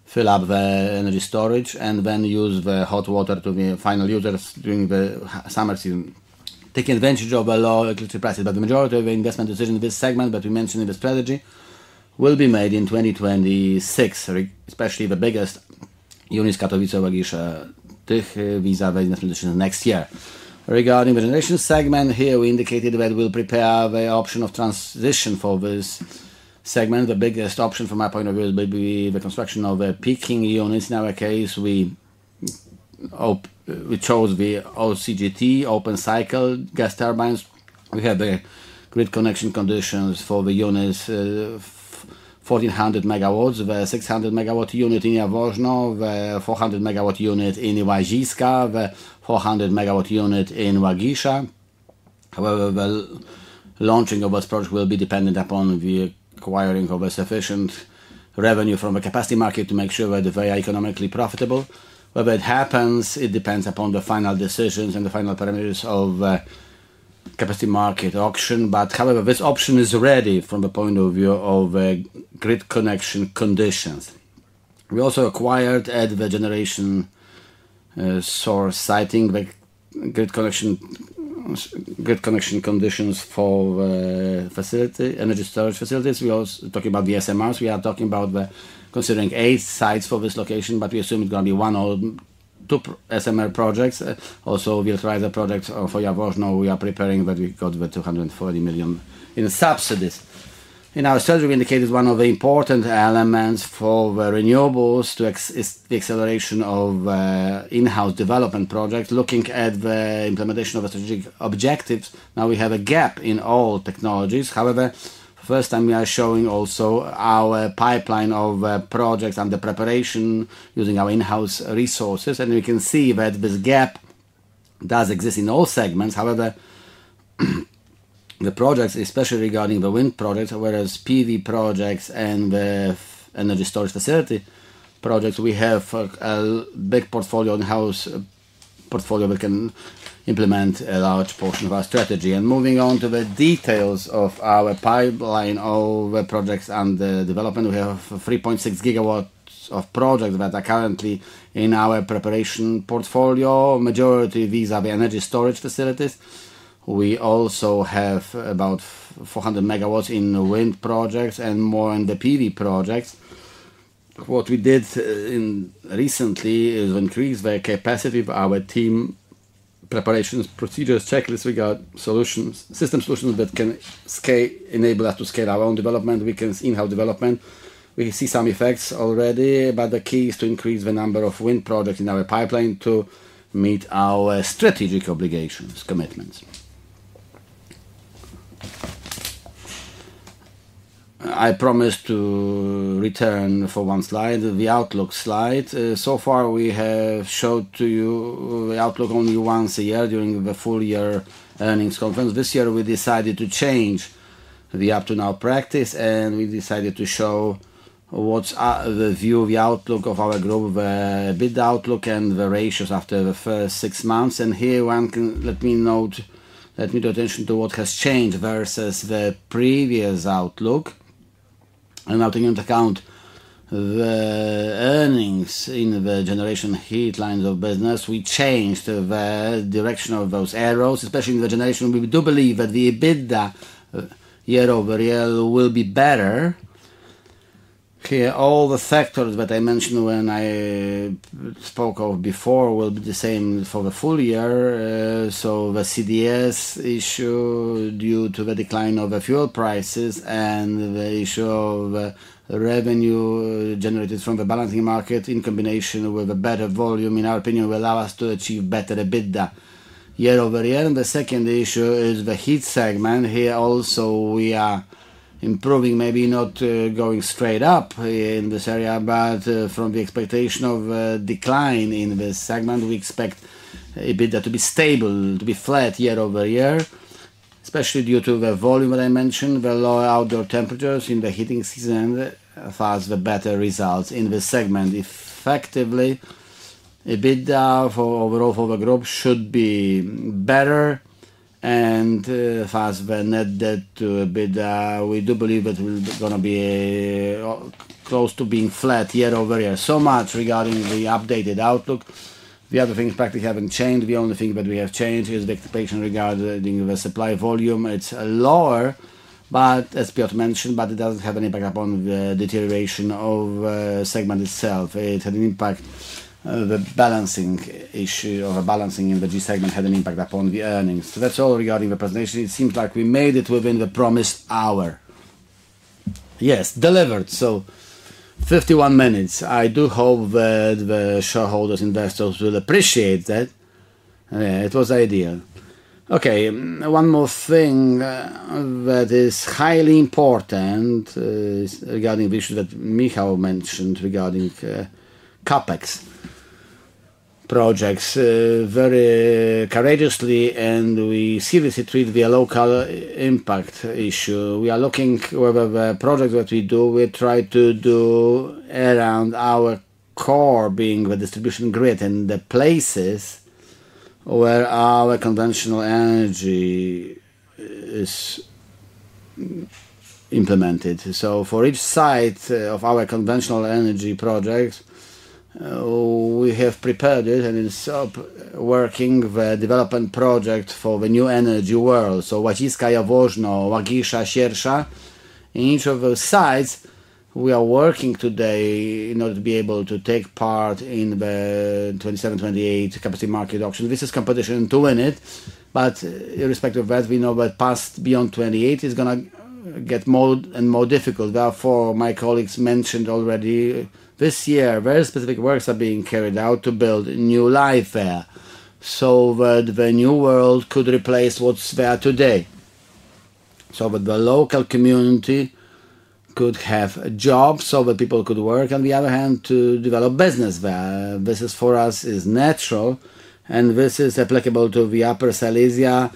fill up the energy storage, and then use the hot water to be final users during the summer season, taking advantage of the low electricity prices. The majority of the investment decisions in this segment that we mentioned in the strategy will be made in 2026, especially the biggest units: Katowice, Łaziska, Tychy, visa business position next year. Regarding the generation segment, here we indicated that we'll prepare the option of transition for this segment. The biggest option from our point of view is maybe the construction of the peaking units. In our case, we chose the OCGT, open cycle gas turbines. We had the grid connection conditions for the units, 1,400 megawatts: the 600 megawatt unit in Jaworzno, the 400 megawatt unit in Wagiska, the 400 megawatt unit in Łaziska. The launching of this project will be dependent upon the acquiring of a sufficient revenue from the capacity market to make sure that they are economically profitable. Whether it happens depends upon the final decisions and the final parameters of the capacity market auction. However, this auction is ready from the point of view of the grid connection conditions. We also acquired at the generation source siting the grid connection conditions for the facility, energy storage facilities. We are also talking about the SMRs. We are talking about considering eight sites for this location, but we assume it's going to be one or two SMR projects. Also, we'll try the project for Jaworzno. We are preparing that we got the $240 million in subsidies. In our strategy, we indicated one of the important elements for the renewables to assist the acceleration of in-house development projects, looking at the implementation of strategic objectives. Now we have a gap in all technologies. The first time we are showing also our pipeline of projects under preparation using our in-house resources. We can see that this gap does exist in all segments. The projects, especially regarding the wind project, whereas PV projects and the energy storage facility projects, we have a big in-house portfolio that can implement a large portion of our strategy. Moving on to the details of our pipeline of projects under development, we have 3.6 GW of projects that are currently in our preparation portfolio. The majority of these are the energy storage facilities. We also have about 400 MW in wind projects and more in the PV projects. What we did recently is increase the capacity of our team preparations, procedures, checklists, regarding solutions, system solutions that can enable us to scale our own development. We can see in-house development. We see some effects already, but the key is to increase the number of wind projects in our pipeline to meet our strategic obligations, commitments. I promised to return for one slide, the outlook slide. So far, we have showed to you the outlook only once a year during the full year earnings conference. This year, we decided to change the up-to-now practice, and we decided to show what's the view of the outlook of our group, the bid outlook, and the ratios after the first six months. Here, let me note, let me draw attention to what has changed versus the previous outlook. Now, taking into account the earnings in the generation heat lines of business, we changed the direction of those arrows, especially in the generation. We do believe that the EBITDA year-over-year will be better. Here, all the factors that I mentioned before will be the same for the full year. The CDS issue due to the decline of the fuel prices and the issue of revenue generated from the balancing market in combination with a better volume, in our opinion, will allow us to achieve better EBITDA year-over-year. The second issue is the heat segment. Here also, we are improving, maybe not going straight up in this area, but from the expectation of a decline in this segment, we expect EBITDA to be stable, to be flat year-over-year, especially due to the volume that I mentioned, the lower outdoor temperatures in the heating season, and thus the better results in this segment. Effectively, EBITDA overall for the group should be better and thus the net debt to EBITDA. We do believe that it's going to be close to being flat year-over-year. That is the updated outlook. The other things practically haven't changed. The only thing that we have changed is the expectation regarding the supply volume. It's lower, as Piotr mentioned, but it doesn't have an impact upon the deterioration of the segment itself. It had an impact, the balancing issue of balancing in the G segment had an impact upon the earnings. That's all regarding the presentation. It seems like we made it within the promised hour. Yes, delivered. So 51 minutes. I do hope that the shareholders, investors will appreciate that. Yeah, it was ideal. One more thing that is highly important is regarding the issue that Michal mentioned regarding CapEx projects. Very courageously, and we seriously treat the local impact issue. We are looking at the projects that we do. We try to do around our core, being the distribution grid and the places where our conventional energy is implemented. For each site of our conventional energy projects, we have prepared it and it's working, the development project for the new energy world. So Łagisza, Jaworzno, Łagisza, Siersza. In each of those sites, we are working today in order to be able to take part in the 2027-2028 capacity market auction. This is competition to win it. Irrespective of that, we know that past beyond 2028 is going to get more and more difficult. Therefore, my colleagues mentioned already this year, very specific works are being carried out to build new life there so that the new world could replace what's there today, so that the local community could have a job, so that people could work. On the other hand, to develop business there. This for us is natural. This is applicable to Upper Silesia,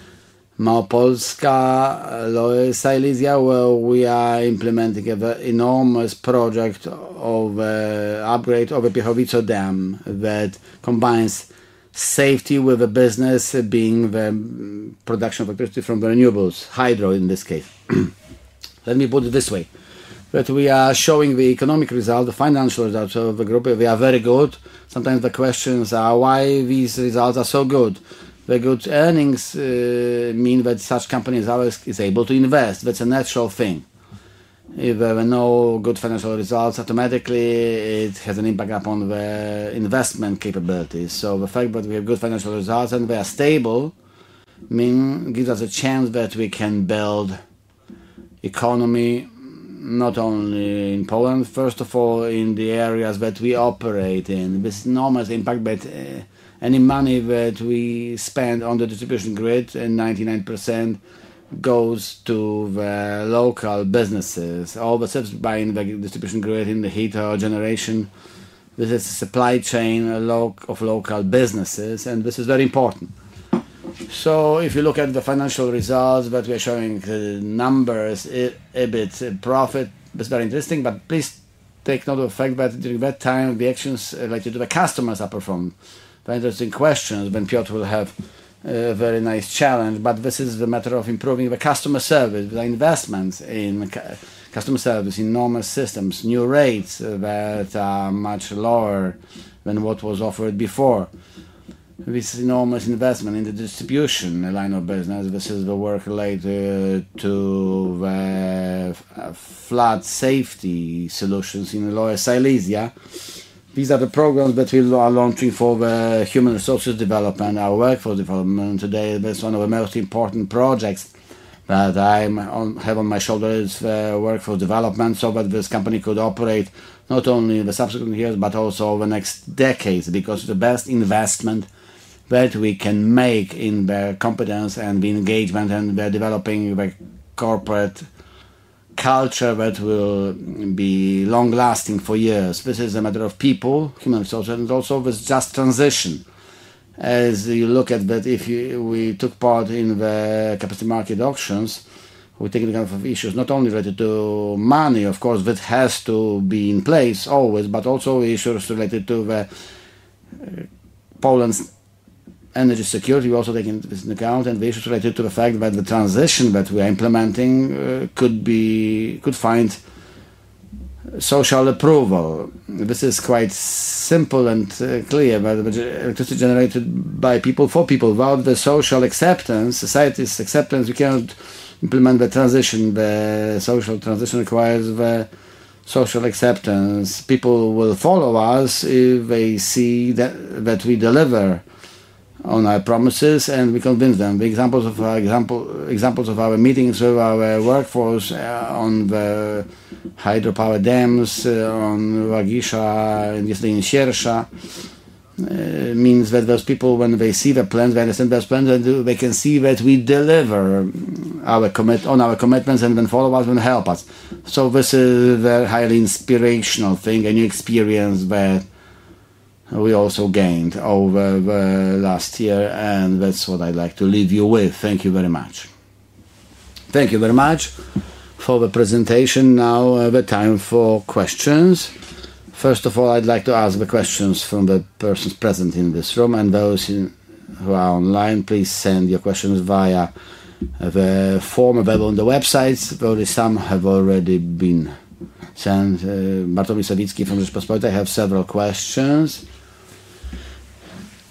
Małopolska, Lower Silesia, where we are implementing an enormous project of an upgrade of the Piechowice dam that combines safety with the business being the production of electricity from renewables, hydro in this case. Let me put it this way. We are showing the economic result, the financial results of the group. We are very good. Sometimes the questions are why these results are so good. Very good earnings mean that such companies are always able to invest. That's a natural thing. If there are no good financial results, automatically it has an impact upon the investment capabilities. The fact that we have good financial results and we are stable gives us a chance that we can build economy, not only in Poland, first of all, in the areas that we operate in. This is an enormous impact, but any money that we spend on the distribution grid, 99% goes to the local businesses. All the subsidies by the distribution grid in the heat or generation, this is a supply chain of local businesses, and this is very important. If you look at the financial results that we are showing, the numbers, EBIT, profit, this is very interesting, but please take note of the fact that during that time, the actions related to the customers are performed. Very interesting questions when Piotr will have a very nice challenge, but this is a matter of improving the customer service, the investments in customer service, enormous systems, new rates that are much lower than what was offered before. This is an enormous investment in the distribution line of business. This is the work related to the flood safety solutions in Lower Silesia. These are the programs that we are launching for the human resources development, our workforce development. Today, that's one of the most important projects that I have on my shoulders, the workforce development, so that this company could operate not only in the subsequent years, but also over the next decades because of the best investment that we can make in their competence and the engagement and their developing corporate culture that will be long-lasting for years. This is a matter of people, human resources, and also this just transition. As you look at that, if we took part in the capacity market auctions, we're taking into account issues not only related to money, of course, that has to be in place always, but also issues related to Poland's energy security. We're also taking this into account and the issues related to the fact that the transition that we are implementing could find social approval. This is quite simple and clear, but electricity generated by people, for people. Without the social acceptance, society's acceptance, we cannot implement the transition. The social transition requires the social acceptance. People will follow us if they see that we deliver on our promises and we convince them. The examples of our meetings with our workforce on the hydropower dams on Wagisza and Sierrza mean that those people, when they see the plans, they understand those plans and they can see that we deliver on our commitments and then follow us and help us. This is a very highly inspirational thing, a new experience that we also gained over the last year, and that's what I'd like to leave you with. Thank you very much. Thank you very much for the presentation. Now, the time for questions. First of all, I'd like to ask the questions from the persons present in this room and those who are online. Please send your questions via the form available on the websites. Probably some have already been sent. Bartomiszewiczki from the Response Point, I have several questions.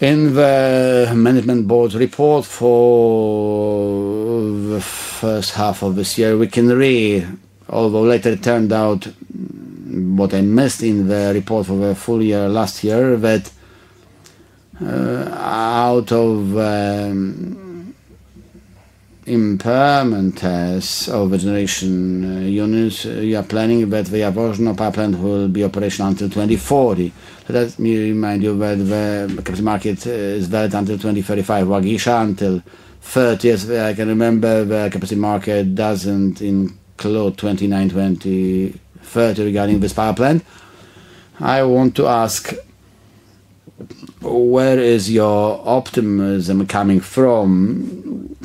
In the management board report for the first half of this year, we can read, although later it turned out what I missed in the report for the full year last year, that out of impairment tests over generation units, we are planning that the Jaworzno power plant will be operational until 2040. Let me remind you that the capacity market is valid until 2035. Łaziska until 2030. As I can remember, the capacity market doesn't include 2030 regarding this power plant. I want to ask, where is your optimism coming from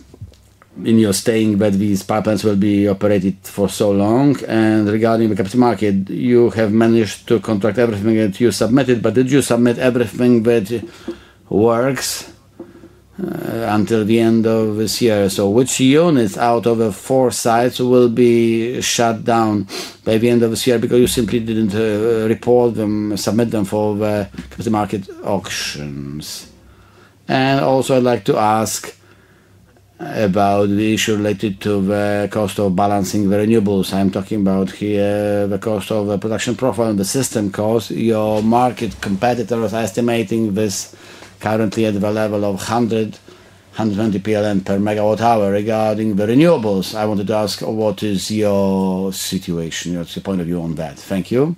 in your saying that these power plants will be operated for so long? Regarding the capacity market, you have managed to contract everything that you submitted, but did you submit everything that works until the end of this year? Which units out of the four sites will be shut down by the end of this year because you simply didn't report them, submit them for the capacity market auctions? I would also like to ask about the issue related to the cost of balancing the renewables. I'm talking about here the cost of the production profile and the system cost. Your market competitors are estimating this currently at the level of 100, 120 PLN per megawatt hour regarding the renewables. I wanted to ask, what is your situation, your point of view on that? Thank you.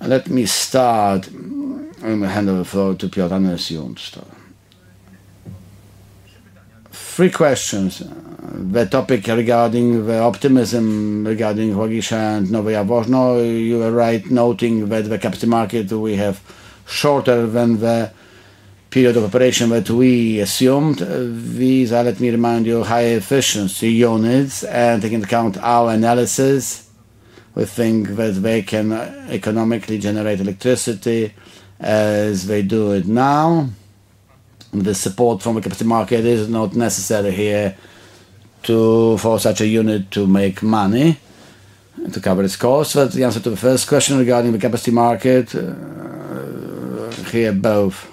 Let me start. I'm going to hand over the floor to Piotr. I'm going to assume to start. Three questions. The topic regarding the optimism regarding Łaziska and Nowa Jaworzno, you were right noting that the capacity market we have is shorter than the period of operation that we assumed. These are, let me remind you, high-efficiency units, and taking into account our analysis, we think that they can economically generate electricity as they do now. The support from the capacity market is not necessary here for such a unit to make money and to cover its costs. That's the answer to the first question regarding the capacity market. Here both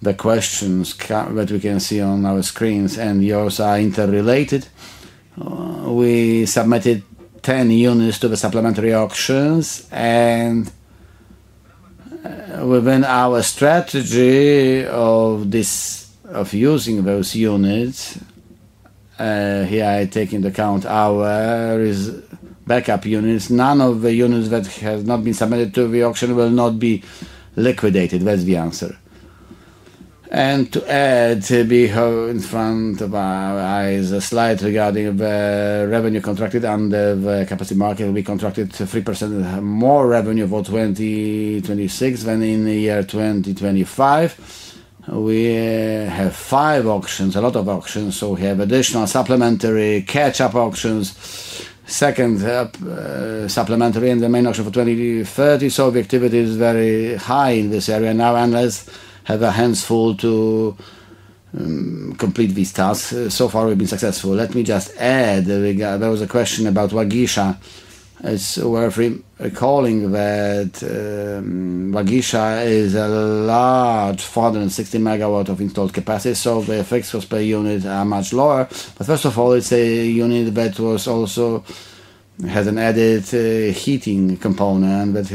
the questions that we can see on our screens and yours are interrelated. We submitted 10 units to the supplementary auctions, and within our strategy of using those units, here I take into account our backup units. None of the units that have not been submitted to the auction will be liquidated. That's the answer. To add, to be in front of our eyes, a slide regarding the revenue contracted under the capacity market. We contracted 3% more revenue for 2026 than in the year 2025. We have five auctions, a lot of auctions, so we have additional supplementary catch-up auctions, second help supplementary, and the main auction for 2030. The activity is very high in this area. Unless we have a handful to complete these tasks, so far we've been successful. Let me just add, there was a question about Łaziska. As we're recalling, Łaziska is a lot farther than 60 megawatts of installed capacity, so the effects for spare units are much lower. First of all, it's a unit that also has an added heating component that,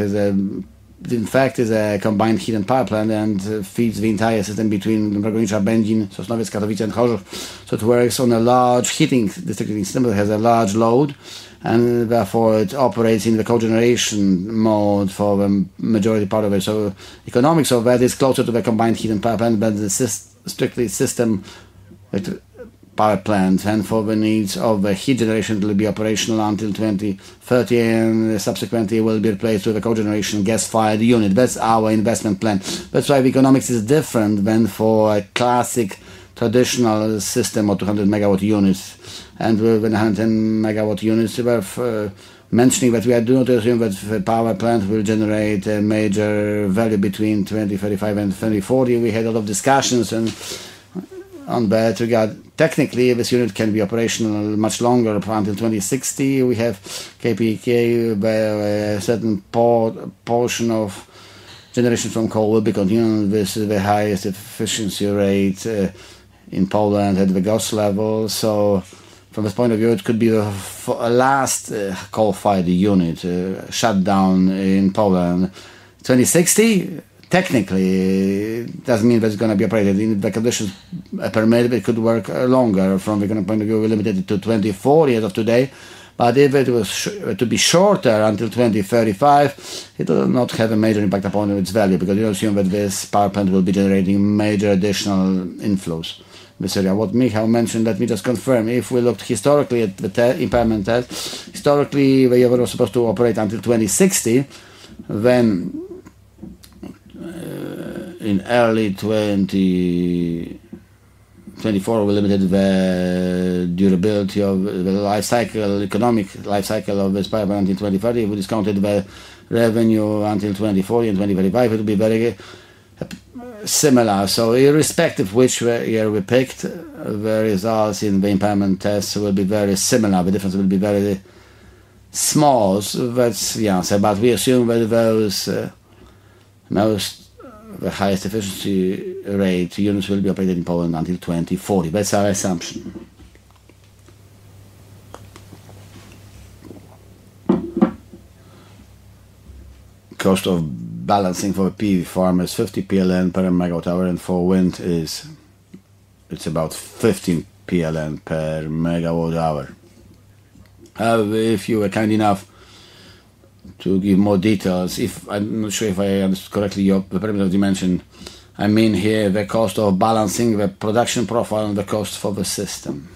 in fact, is a combined heat and power plant and feeds the entire system between Margonica, Będzin, Sosnowiec, Katowice, and Chorzów. It works on a large heating distribution system that has a large load, and therefore it operates in the cogeneration mode for the majority part of it. The economics of that is closer to the combined heat and power plant than the strictly system power plant. For the needs of the heat generation, it will be operational until 2030, and subsequently it will be replaced with a cogeneration gas-fired unit. That's our investment plan. That's why the economics is different than for a classic traditional system of 200 megawatt units. With 110 megawatt units, we're mentioning that we do not assume that the power plant will generate a major value between 2035 and 2040. We had a lot of discussions in that regard. Technically, this unit can be operational much longer until 2060. We have KPK where a certain portion of generation from coal will be convenient with the highest efficiency rate in Poland at the gas level. From this point of view, it could be the last coal-fired unit shut down in Poland. 2060, technically, it doesn't mean that it's going to be operated. If the conditions permit, it could work longer. From the current point of view, we're limited to 2040 as of today. If it was to be shorter until 2035, it will not have a major impact upon its value because you assume that this power plant will be generating major additional inflows in this area. What Michal mentioned, let me just confirm. If we looked historically at the impairment test, historically, we were supposed to operate until 2060. Then in early 2024, we limited the durability of the economic lifecycle of this power plant until 2030. If we discounted the revenue until 2040 and 2035, it would be very similar. Irrespective of which year we picked, the results in the impairment tests will be very similar. The difference will be very small. That's the answer. We assume that those most, the highest efficiency rate units will be operated in Poland until 2040. That's our assumption. Cost of balancing for PV farm is 50 PLN per megawatt hour, and for wind, it's about 15 PLN per megawatt hour. If you were kind enough to give more details, I'm not sure if I understood correctly the perimeter dimension. I mean here the cost of balancing the production profile and the cost for the system.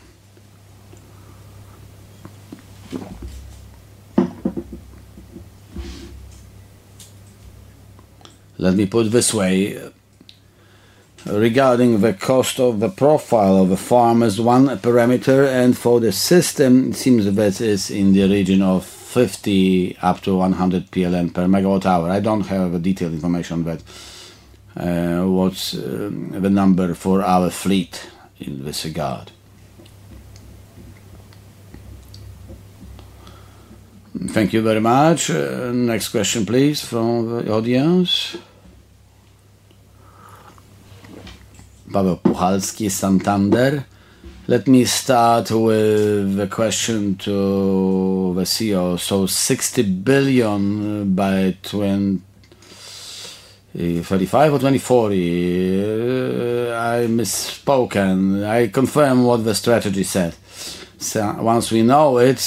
Let me put it this way. Regarding the cost of the profile of the farm as one perimeter, and for the system, it seems that it's in the region of 50 up to 100 PLN per megawatt hour. I don't have detailed information about what's the number for our fleet in this regard. Thank you very much. Next question, please, from the audience. Let me start with the question to the CEO. 60 billion by 2045 or 2040... I misspoke. I confirm what the strategy said. Once we know it,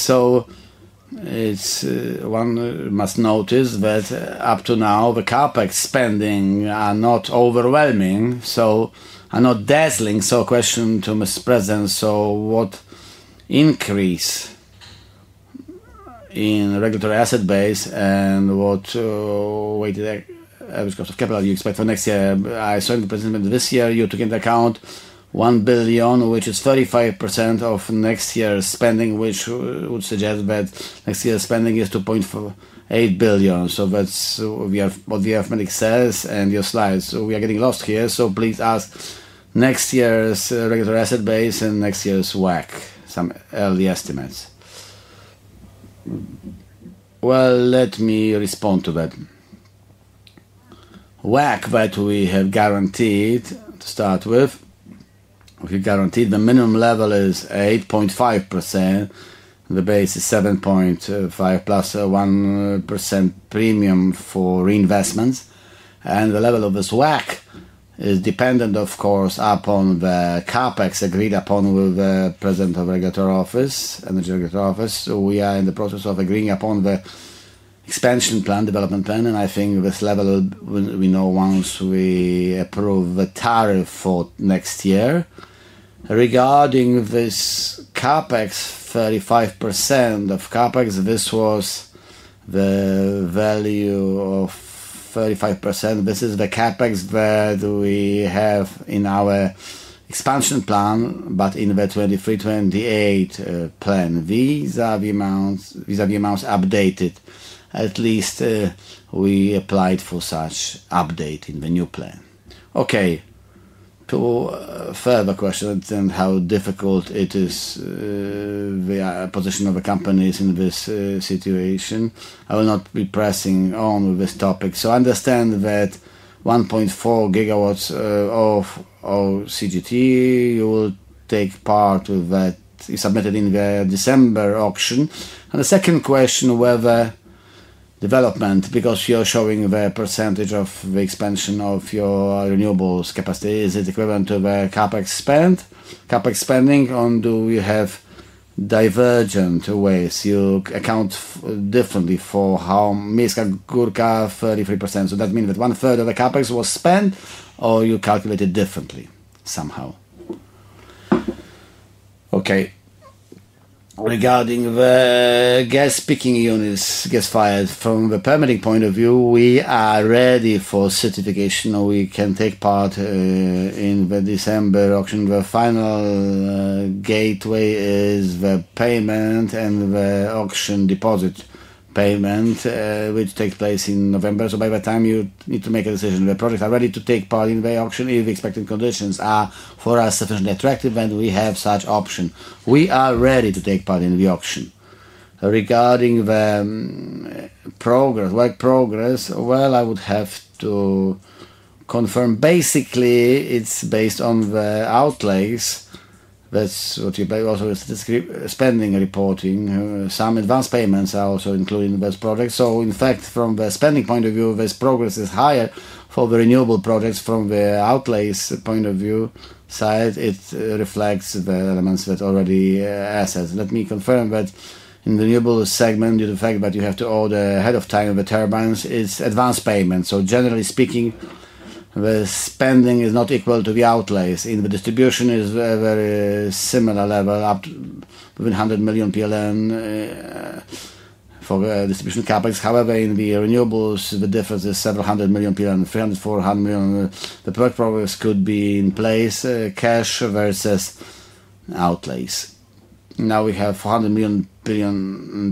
one must notice that up to now the CapEx spending is not overwhelming, not dazzling. Question to Mr. President. What increase in regulatory asset base and what rate of capital do you expect for next year? I assume this year you took into account 1 billion, which is 35% of next year's spending, which would suggest that next year's spending is 2.8 billion. That's what the estimate says and your slides. We are getting lost here, please ask next year's regulatory asset base and next year's WACC, some early estimates. WACC, we have guaranteed to start with, we have guaranteed the minimum level is 8.5%, the base is 7.5%, plus a 1% premium for reinvestments, and the level of this WACC is dependent, of course, upon the CapEx agreed upon with the President of the Energy Regulatory Office. We are in the process of agreeing upon the expansion plan, development plan, and I think this level will be known once we approve the tariff for next year. Regarding this CapEx, 35% of CapEx, this was the value of 35%. This is the CapEx that we have in our expansion plan, but in the 2023-2028 Plan, these are the amounts updated. At least we applied for such updates in the new plan. To further question and how difficult it is, the position of the company is in this situation. I will not be pressing on with this topic. I understand that 1.4 GW of CGT will take part with that. It's submitted in the December auction. The second question, whether development, because you're showing the percentage of the expansion of your renewables capacity, is it equivalent to the CapEx spend? CapEx spending, or do you have divergent ways? You account differently for how... 33%. That means that one third of the CapEx was spent or you calculated differently somehow. Regarding the gas peaking units, gas fires, from the permitting point of view, we are ready for certification. We can take part in the December auction. The final gateway is the payment and the auction deposit payment, which takes place in November. By the time you need to make a decision, the project is ready to take part in the auction if the expected conditions are for us sufficiently attractive and we have such option. We are ready to take part in the auction. Regarding the progress, work progress, I would have to confirm. Basically, it's based on the outlays. That's what you pay also is the spending reporting. Some advanced payments are also included in those projects. In fact, from the spending point of view, this progress is higher for the renewable energy projects. From the outlays point of view, it reflects the elements that are already assets. Let me confirm that in the renewable energy segment, the fact that you have to order ahead of time the turbines is advanced payment. Generally speaking, the spending is not equal to the outlays. In the distribution, it is a very similar level, up to 100 million PLN for the distribution CapEx. However, in the renewable energy segment, the difference is several hundred million PLN, 300 million, 400 million. The product progress could be in place cash versus outlays. Now we have 400 million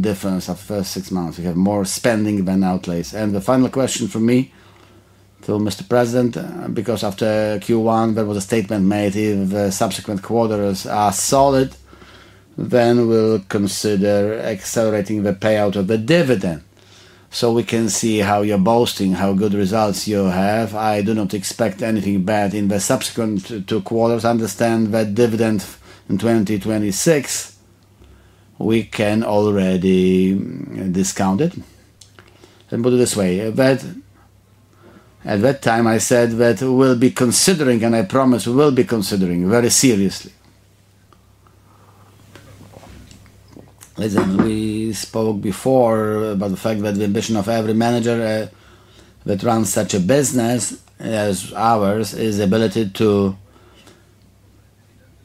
difference of the first six months. We have more spending than outlays. The final question from me to Mr. President, because after Q1 there was a statement made if the subsequent quarters are solid, then we'll consider accelerating the payout of the dividend. We can see how you're boasting, how good results you have. I do not expect anything bad in the subsequent two quarters. I understand that dividend in 2026, we can already discount it. Put it this way, at that time I said that we'll be considering, and I promise we will be considering very seriously. We spoke before about the fact that the ambition of every manager that runs such a business as ours is the ability to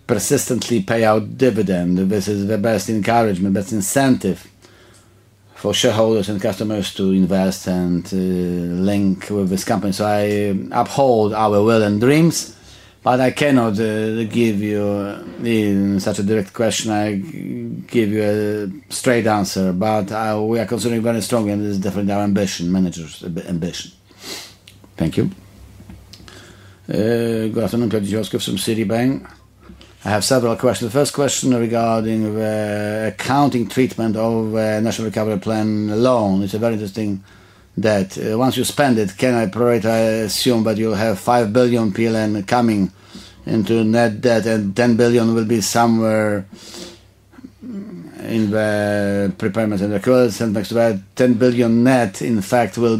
persistently pay out dividend. This is the best encouragement, best incentive for shareholders and customers to invest and link with this company. I uphold our will and dreams, but I cannot give you such a direct question. I give you a straight answer, but we are considering very strongly and this is definitely our ambition, manager's ambition. Thank you. Good afternoon, Curt Juskiewicz from Citibank. I have several questions. The first question regarding the accounting treatment of the National Recovery Plan loan. It's a very interesting debt. Once you spend it, can I assume that you'll have 5 billion PLN coming into net debt and 10 billion will be somewhere in the prepayments and accruals? Next to that, 10 billion net, in fact, will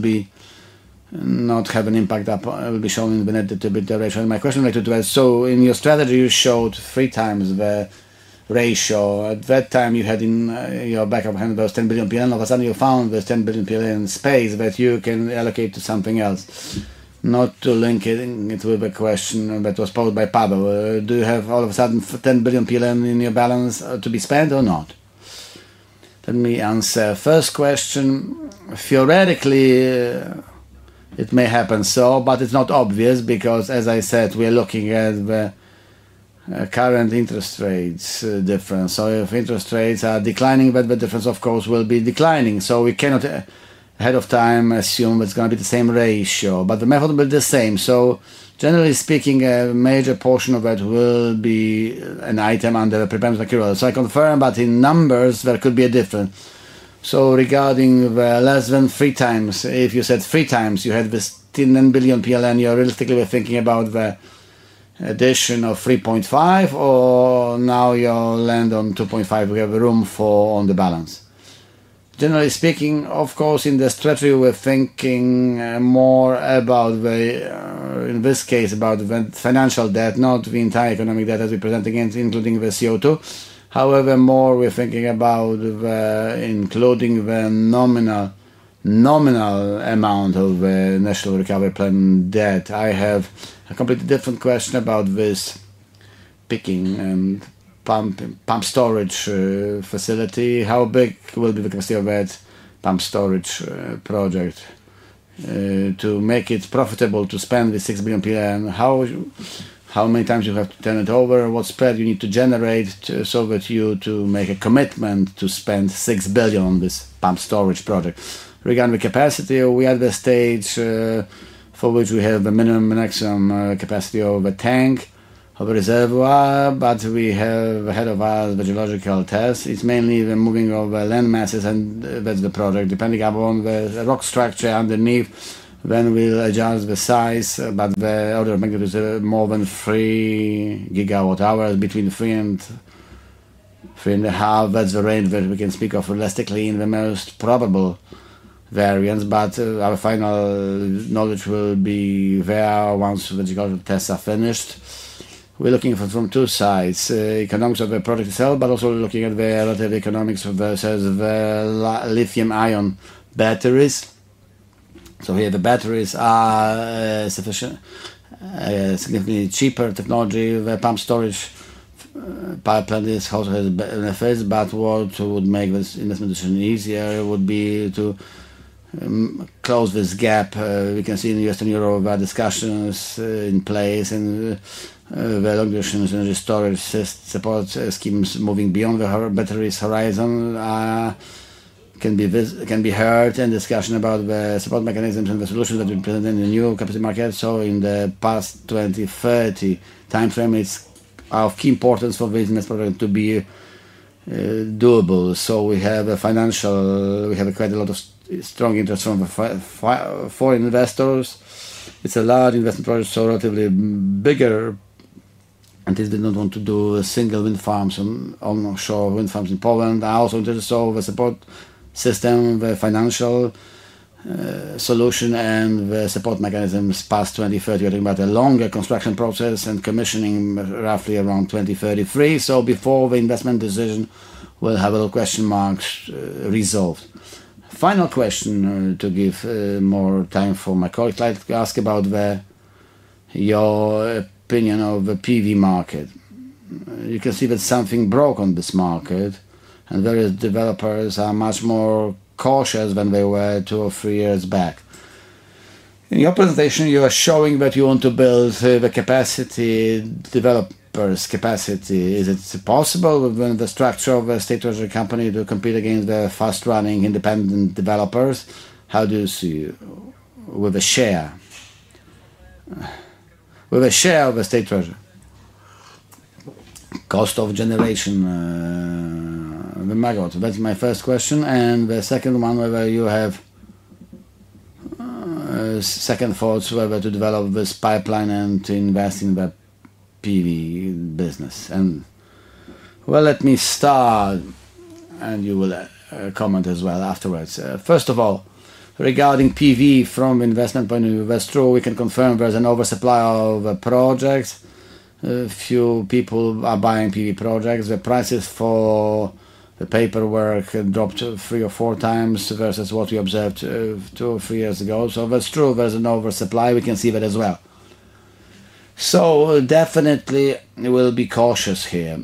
not have an impact, will be shown in the net debt to EBITDA ratio. My question related to that, in your strategy, you showed three times the ratio. At that time, you had in your backup handed those 10 billion. All of a sudden, you found this 10 billion space that you can allocate to something else. Not to link it with the question that was posed by Pablo. Do you have all of a sudden 10 billion in your balance to be spent or not? Let me answer the first question. Theoretically, it may happen so, but it's not obvious because, as I said, we are looking at the current interest rates difference. If interest rates are declining, then the difference, of course, will be declining. We cannot ahead of time assume it's going to be the same ratio, but the method will be the same. Generally speaking, a major portion of it will be an item under prepayments and accruals. I confirm, but in numbers, there could be a difference. Regarding the less than three times, if you said three times, you had this 10 billion PLN, you're realistically thinking about the addition of 3.5 or now you'll land on 2.5? We have room for on the balance. Generally speaking, of course, in the strategy, we're thinking more about, in this case, about the financial debt, not the entire economic debt that we present against, including the CO2. However, more we're thinking about including the nominal amount of the National Recovery Plan debt. I have a completely different question about this peaking and pump storage facility. How big will be the capacity of that pump storage project to make it profitable to spend the 6 billion? How many times you have to turn it over? What spread you need to generate so that you make a commitment to spend 6 billion on this pump storage project? Regarding the capacity, we are at the stage for which we have a minimum and maximum capacity of a tank of a reservoir, but we have ahead of us the geological test. It's mainly the moving of land masses and that's the project. Depending upon the rock structure underneath, then we'll adjust the size, but the order of magnitude is more than 3 gigawatt hours, between 3 and 3.5. That's the range that we can speak of realistically in the most probable variance, but our final knowledge will be there once the geological tests are finished. We're looking from two sides, economics of the product itself, but also looking at the relative economics of the size of the lithium-ion batteries. Here, the batteries are sufficiently cheaper technology. The pump storage pipeline is how it has been in the phase, but what would make this investment decision easier would be to close this gap. We can see in the Western Europe discussions in place and the long-duration energy storage support schemes moving beyond the battery's horizon can be heard and discussion about the support mechanisms and the solutions that we present in the new capital markets. In the past 2020-2030 timeframe, it's of key importance for this next project to be doable. We have a financial, we have quite a lot of strong interest from foreign investors. It's a large investment project, so relatively bigger, and it did not want to do a single wind farm, so onshore wind farms in Poland. I also wanted to solve a support system, the financial solution, and the support mechanisms past 2030. We're talking about a longer construction process and commissioning roughly around 2033. Before the investment decision, we'll have a little question mark resolved. Final question to give more time for my colleague to ask about your opinion of the PV market. You can see that something broke on this market and various developers are much more cautious than they were two or three years back. In your presentation, you are showing that you want to build the capacity, developers' capacity. Is it possible within the structure of a state treasury company to compete against the fast-running independent developers? How do you see with a share, with a share of a state treasury? Cost of generation, the market. That's my first question. The second one, whether you have second thoughts whether to develop this pipeline and to invest in the PV business. Let me start and you will comment as well afterwards. First of all, regarding PV from the investment point of view, that's true. We can confirm there's an oversupply of projects. Few people are buying PV projects. The prices for the paperwork dropped three or four times versus what we observed two or three years ago. That's true. There's an oversupply. We can see that as well. Definitely we'll be cautious here.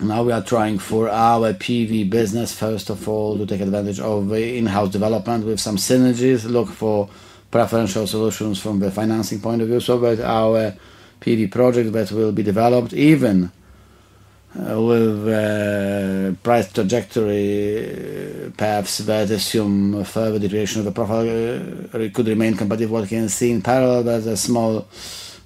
Now we are trying for our PV business, first of all, to take advantage of the in-house development with some synergies, look for preferential solutions from the financing point of view. With our PV project that will be developed, even with the price trajectory paths that assume further deviation of the profit, it could remain competitive. What we can see in parallel is a small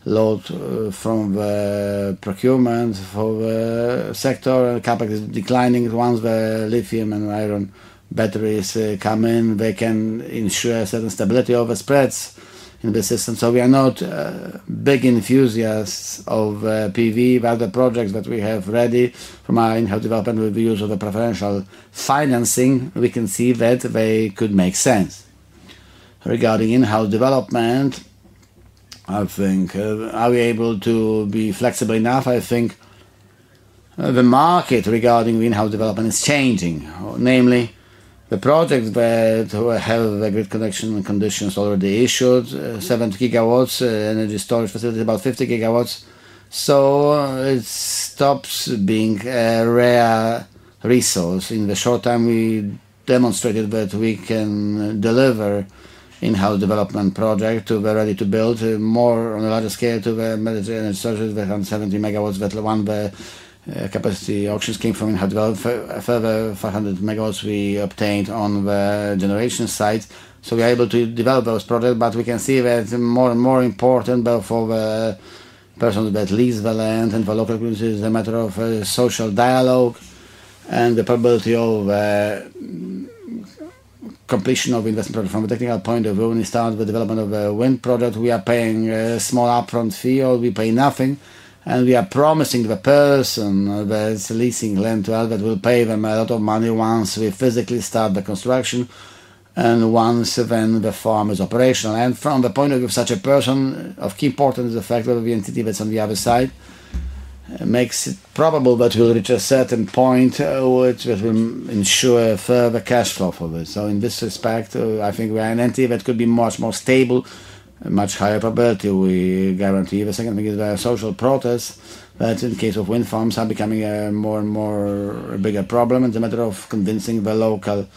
load from the procurement for the sector. CapEx is declining once the lithium and iron batteries come in. They can ensure a certain stability of the spreads in the system. We are not big enthusiasts of PV, but the projects that we have ready from our in-house development with the use of the preferential financing, we can see that they could make sense. Regarding in-house development, I think are we able to be flexible enough? I think the market regarding the in-house development is changing. Namely, the project that will have the grid connection conditions already issued, 70 GW energy storage facility, about 50 GW. It stops being a rare resource. In the short time, we demonstrated that we can deliver in-house development projects to be ready to build more on a larger scale to the Mediterranean sources with 170 MW. That's the one the capacity auctions came from in-house development. Further 500 MW we obtained on the generation site. We are able to develop those projects, but we can see that more and more important, for the person that leads the land and developer is a matter of social dialogue and the probability of completion of investment from a technical point of view. When you start the development of a wind project, we are paying a small upfront fee or we pay nothing and we are promising the person that is leasing land to us that we will pay them a lot of money once we physically start the construction and once then the farm is operational. From the point of view of such a person, of key importance is the fact that we have an entity that's on the other side. It makes it probable that we'll reach a certain point which will ensure further cash flow for this. In this respect, I think we are an entity that could be much more stable. Much higher probability we guarantee. The second thing is the social protest. That's in the case of wind farms are becoming a more and more bigger problem. It's a matter of convincing the local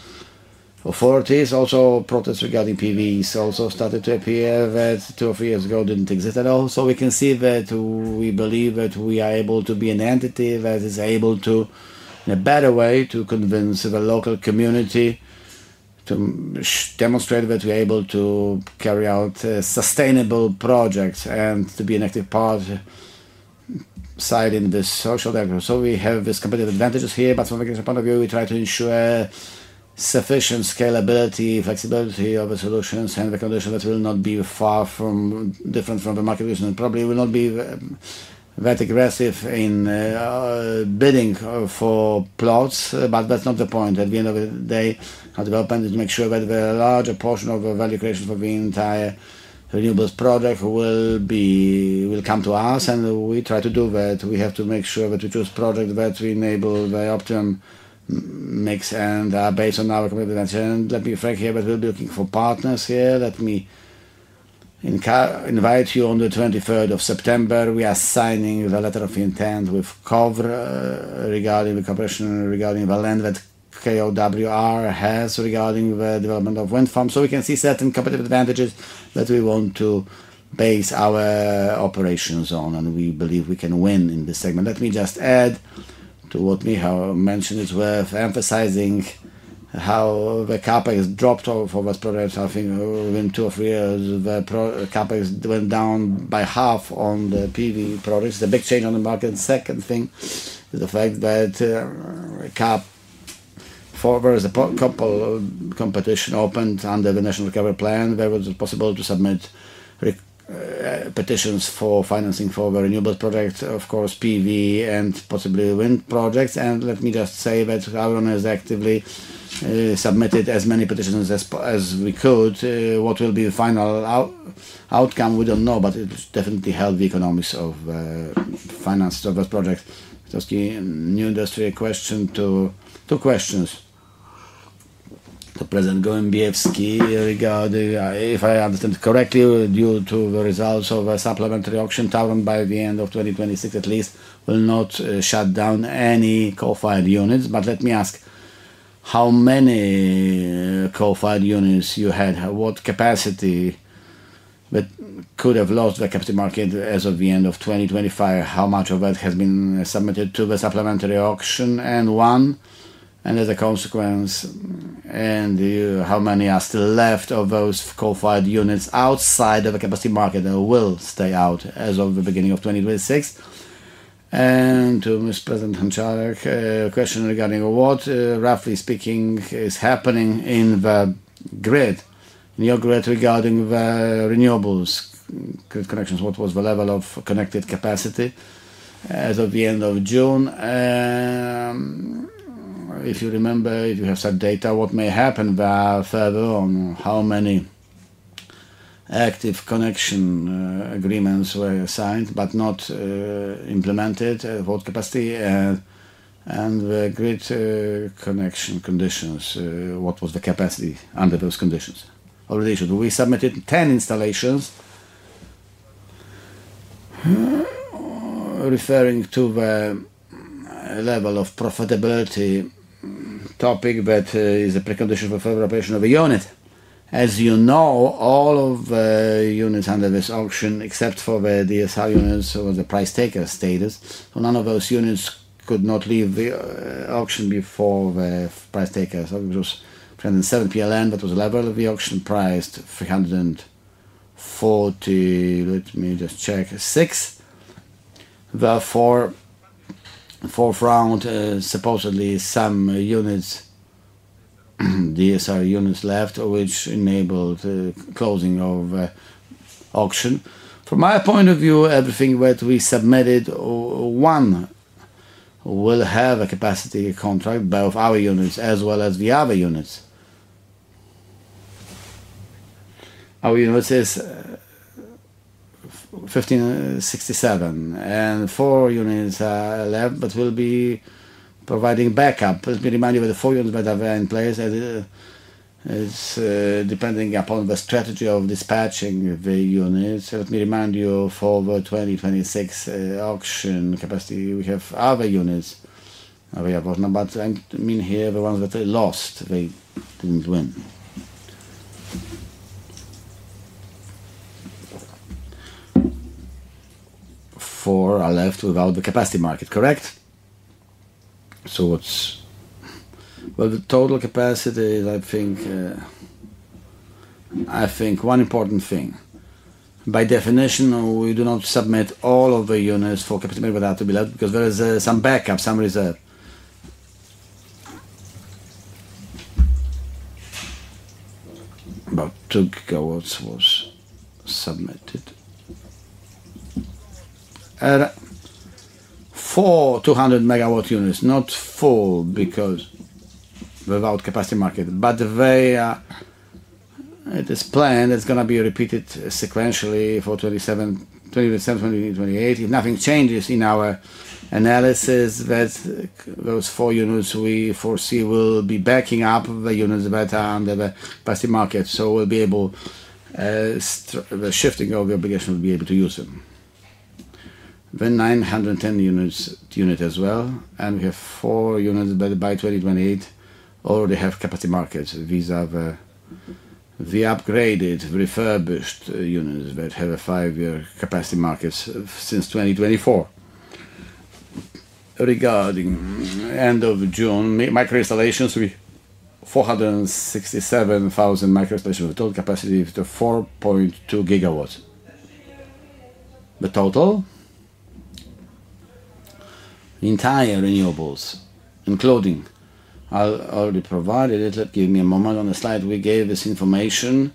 authorities. Also, protests regarding PV cells have started to appear that two or three years ago didn't exist at all. We can see that we believe that we are able to be an entity that is able to, in a better way, convince the local community to demonstrate that we are able to carry out sustainable projects and to be an active party side in the social network. We have these competitive advantages here, but from a regulatory point of view, we try to ensure sufficient scalability, flexibility of the solutions, and the condition that will not be far from different from the market reasons. Probably will not be that aggressive in bidding for plots, but that's not the point. At the end of the day, our development is to make sure that a larger portion of the value creation for the entire renewables project will come to us and we try to do that. We have to make sure that we choose projects that enable the optimum mix and are based on our competitive advantage. Let me frame here that we'll be looking for partners here. Let me invite you on the 23rd of September. We are signing the letter of intent with COVRA regarding the cooperation regarding the land that KOWR has regarding the development of wind farms. We can see certain competitive advantages that we want to base our operations on and we believe we can win in this segment. Let me just add to what we have mentioned is worth emphasizing how the CapEx dropped off for those projects. I think within two or three years, the CapEx went down by half on the PV projects. It's a big change on the market. The second thing is the fact that COVRA has a couple of competitions opened under the National Recovery Plan where it was possible to submit petitions for financing for the renewables projects, of course, PV and possibly wind projects. Let me just say that TAURON has actively submitted as many petitions as we could. What will be the final outcome, we don't know, but it will definitely help the economics of finance of those projects. That's the new industry question to two questions. The President Gołębiewski regarding, if I understand correctly, due to the results of a supplementary auction, TAURON by the end of 2026 at least will not shut down any coal-fired units. Let me ask, how many coal-fired units you had? What capacity that could have lost the capacity market as of the end of 2025? How much of that has been submitted to the supplementary auction and won? As a consequence, how many are still left of those coal-fired units outside of the capacity market that will stay out as of the beginning of 2026? To Mr. President Hanczarek, question regarding what roughly speaking is happening in the grid, in your grid regarding the renewables grid connections. What was the level of connected capacity as of the end of June? If you remember, if you have said data, what may happen there further on? How many active connection agreements were signed but not implemented? What capacity and the grid connection conditions? What was the capacity under those conditions? Already issued. We submitted 10 installations. Referring to the level of profitability topic that is a precondition for further operation of a unit. As you know, all of the units under this auction, except for the DSR units with the price taker status, none of those units could not leave the auction before the price takers. That was 307 PLN. That was the level of the auction priced 346. Therefore, fourth round, supposedly some units, DSR units left, which enabled closing of auction. From my point of view, everything that we submitted, one will have a capacity contract, both our units as well as the other units. Our unit is 1567 and four units are left, but we'll be providing backup. Let me remind you of the four units that are there in place. It's depending upon the strategy of dispatching the units. Let me remind you of over 2026 auction capacity. We have other units. We have a lot of them, but I mean here the ones that they lost, they didn't win. Four are left without the capacity market, correct? The total capacity is, I think, I think one important thing. By definition, we do not submit all of the units for capacity market without to be left because there is some backup, some reserve. About 2 GW was submitted. Four 200 MW units, not full because without capacity market, but it is planned. It's going to be repeated sequentially for 2027, 2028. If nothing changes in our analysis, those four units we foresee will be backing up the units that are under the capacity market. We'll be able, the shifting of the obligation will be able to use them. 910 units as well, and we have four units that by 2028 already have capacity markets. These are the upgraded, refurbished units that have a five-year capacity market since 2024. Regarding the end of June, microinstallations, we 467,000 microinstallations, total capacity is 4.2 GW. The total entire renewables, including I'll already provide it. Let give me a moment on the slide. We gave this information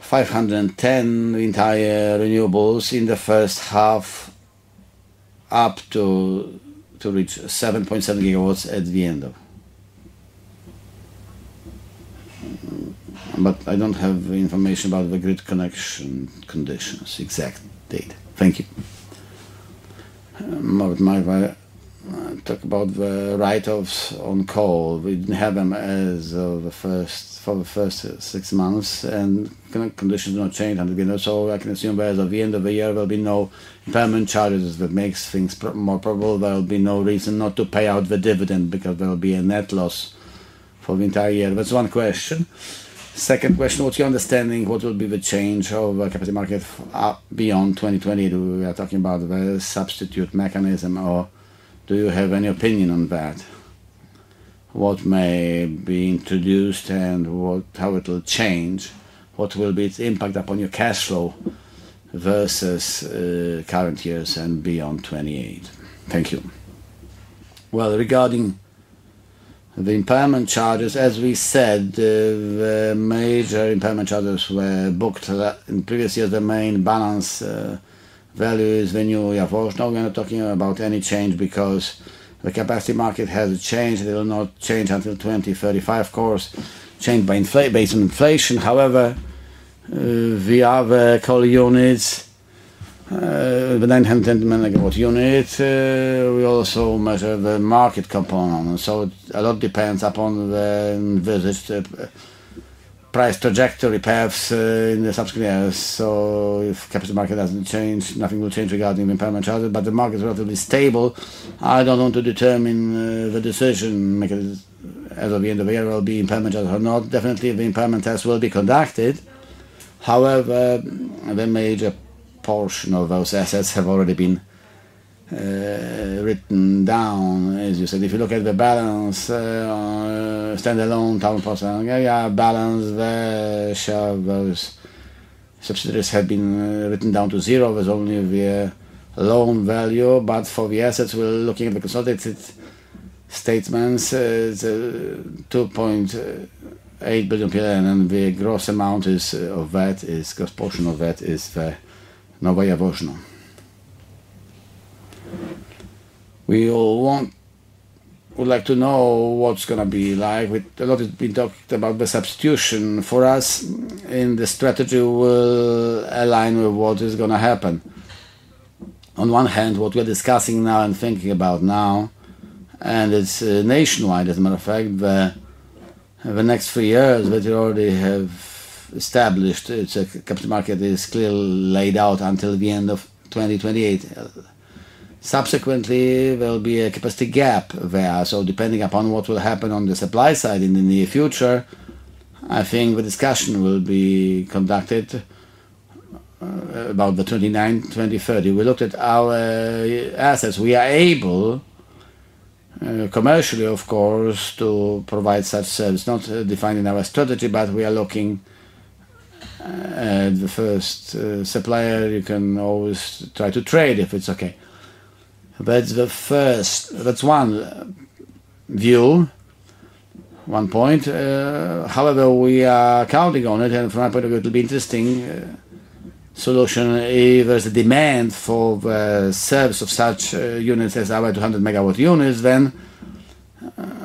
510 entire renewables in the first half up to reach 7.7 GW at the end of. I don't have information about the grid connection conditions, exact date. Thank you. I'll talk about the write-offs on coal. We didn't have them as of the first for the first six months, and the current conditions do not change 100 GW. I can assume that at the end of the year, there will be no employment charges that make things more probable. There will be no reason not to pay out the dividend because there will be a net loss for the entire year. That's one question. Second question, what's your understanding? What will be the change of the capital market beyond 2028? We are talking about the substitute mechanism, or do you have any opinion on that? What may be introduced and how it will change? What will be its impact upon your cash flow versus current years and beyond 2028? Thank you. Regarding the employment charges, as we said, the major employment charges were booked in previous years. The main balance value is the new year for us. Now we are not talking about any change because the capacity market has changed. It will not change until 2035. Of course, changed based on inflation. However, the other coal units, the 910 MW units, we also measure the market component. A lot depends upon the visit price trajectory paths in the subsequent years. If the capital market doesn't change, nothing will change regarding the employment charges, but the market is relatively stable. I don't want to determine the decision makers as of the end of the year will be employment charges or not. Definitely, the employment test will be conducted. However, the major portion of those assets have already been written down. As you said, if you look at the balance, standalone TAURON, yeah, yeah, balance, the share of those subsidiaries have been written down to zero. There's only the loan value, but for the assets, we're looking at the consultant statements. It's 2.8 billion PLN and the gross amount of that is a gross portion of that is fair. Now we are boasting. We would like to know what's going to be like. A lot has been talked about the substitution. For us, in the strategy, we'll align with what is going to happen. On one hand, what we are discussing now and thinking about now, and it's nationwide, as a matter of fact, the next three years that you already have established, the capital market is clearly laid out until the end of 2028. Subsequently, there will be a capacity gap there. Depending upon what will happen on the supply side in the near future, I think the discussion will be conducted about the 2029, 2030. We looked at our assets. We are able commercially, of course, to provide such service. Not defining our strategy, but we are looking at the first supplier. You can always try to trade if it's okay. That's the first, that's one view, one point. However, we are counting on it, and from our point of view, it'll be an interesting solution. If there's a demand for the service of such units as our 200 megawatt units, then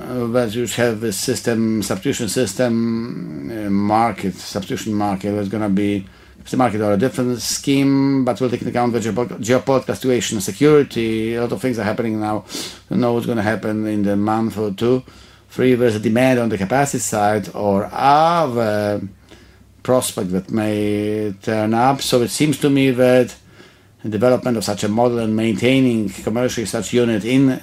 as you have this substitution system, market, substitution market, there's going to be a market or a different scheme, but we'll take into account the geopod fluctuation security. A lot of things are happening now. I know what's going to happen in the month or two, three, where there's a demand on the capacity side or other prospects that may turn up. It seems to me that the development of such a model and maintaining commercially such units in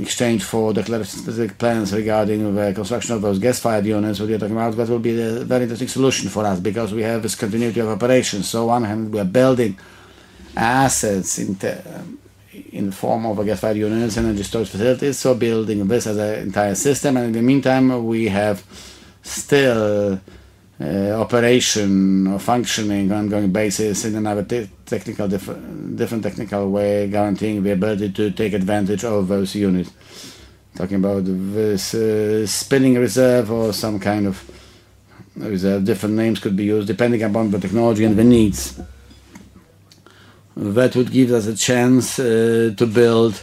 exchange for declared specific plans regarding the construction of those gas-fired units we're talking about, that will be a very interesting solution for us because we have this continuity of operations. On one hand, we are building assets in the form of gas-fired units and then the storage facilities. Building this as an entire system, and in the meantime, we have still operation or functioning on an ongoing basis in another technical, different technical way, guaranteeing the ability to take advantage of those units. Talking about this spinning reserve or some kind of reserve, different names could be used depending upon the technology and the needs. That would give us a chance to build,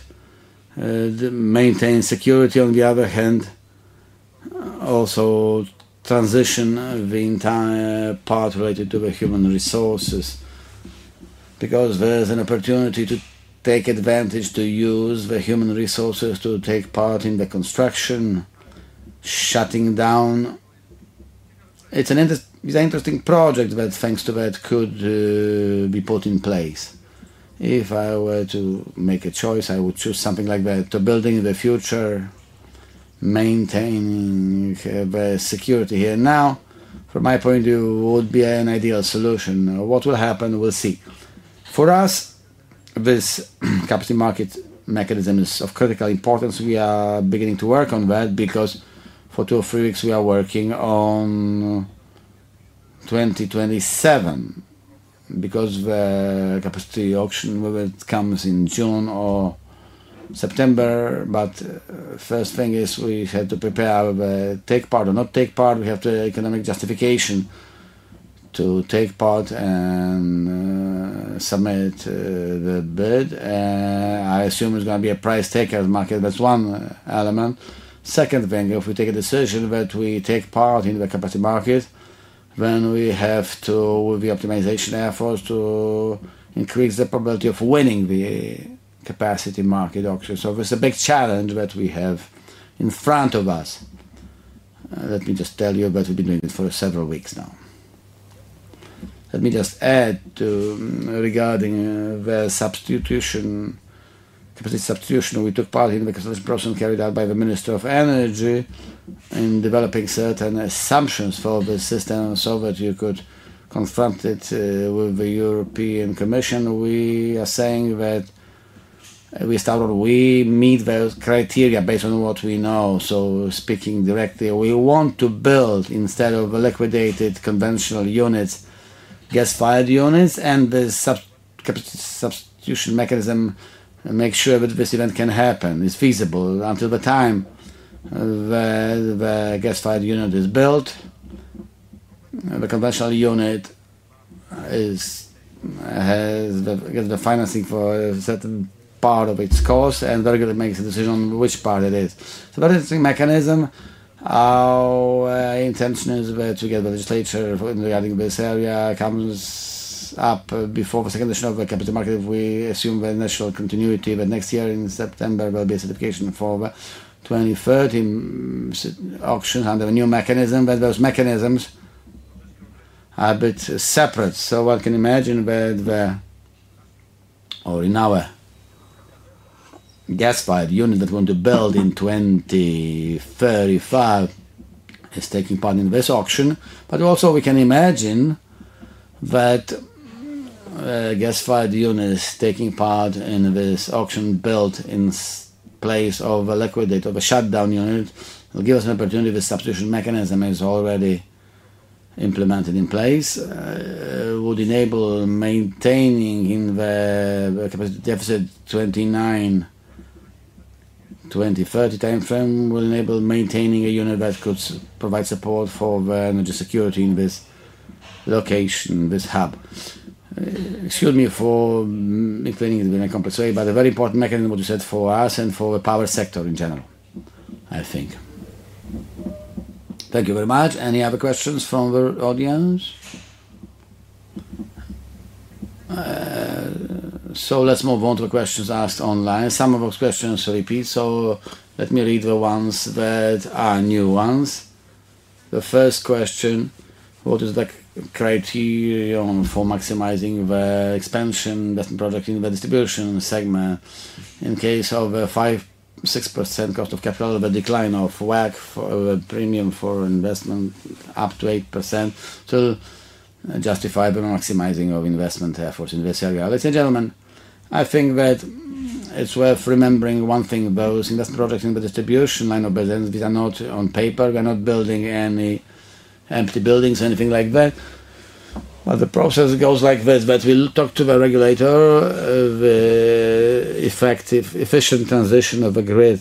maintain security on the other hand, also transition the entire part related to the human resources because there's an opportunity to take advantage, to use the human resources to take part in the construction, shutting down. It's an interesting project, but thanks to that could be put in place. If I were to make a choice, I would choose something like that. To building in the future, maintaining the security here now, from my point of view, would be an ideal solution. What will happen, we'll see. For us, this capital market mechanism is of critical importance. We are beginning to work on that because for two or three weeks, we are working on 2027 because of the capacity auction, whether it comes in June or September. The first thing is we have to prepare the take part or not take part. We have to have economic justification to take part and submit the bid. I assume it's going to be a price taker market. That's one element. Second thing, if we take a decision that we take part in the capacity market, then we have to do the optimization efforts to increase the probability of winning the capacity market auction. It's a big challenge that we have in front of us. Let me just tell you that we've been doing it for several weeks now. Let me just add regarding the substitution, the substitution we took part in, the process carried out by the Minister of Energy in developing certain assumptions for the system, so that you could confront it with the European Commission. We are saying that we started, we meet those criteria based on what we know. Speaking directly, we want to build instead of liquidated conventional units, gas-fired units, and the substitution mechanism makes sure that this event can happen. It's feasible until the time the gas-fired unit is built. The conventional unit has the financing for a certain part of its cost, and they're going to make a decision on which part it is. That is the mechanism. Our intention is to get the legislature regarding this area comes up before the second edition of the capacity market. If we assume the national continuity that next year in September there will be a certification for the 2030 auction under a new mechanism, those mechanisms are a bit separate. One can imagine that the, or in our gas-fired unit that we want to build in 2035 is taking part in this auction, but also we can imagine that gas-fired units taking part in this auction built in place of a liquidated or a shutdown unit will give us an opportunity. The substitution mechanism is already implemented in place. It would enable maintaining in the capacity deficit 2029-2030 timeframe. It will enable maintaining a unit that could provide support for the energy security in this location, this hub. Excuse me for explaining this in a complex way, but a very important mechanism, what you said, for us and for the power sector in general, I think. Thank you very much. Any other questions from the audience? Let's move on to the questions asked online. Some of those questions are repeated. Let me read the ones that are new ones. The first question, what is the criterion for maximizing the expansion investment project in the distribution segment? In case of a 5-6% cost of capital, the decline of WACC, the premium for investment up to 8%, still justified in maximizing of investment efforts in this area. Ladies and gentlemen, I think that it's worth remembering one thing. Those investment projects in the distribution line of business, these are not on paper. We are not building any empty buildings or anything like that. The process goes like this, we talk to the regulator, the effective efficient transition of the grid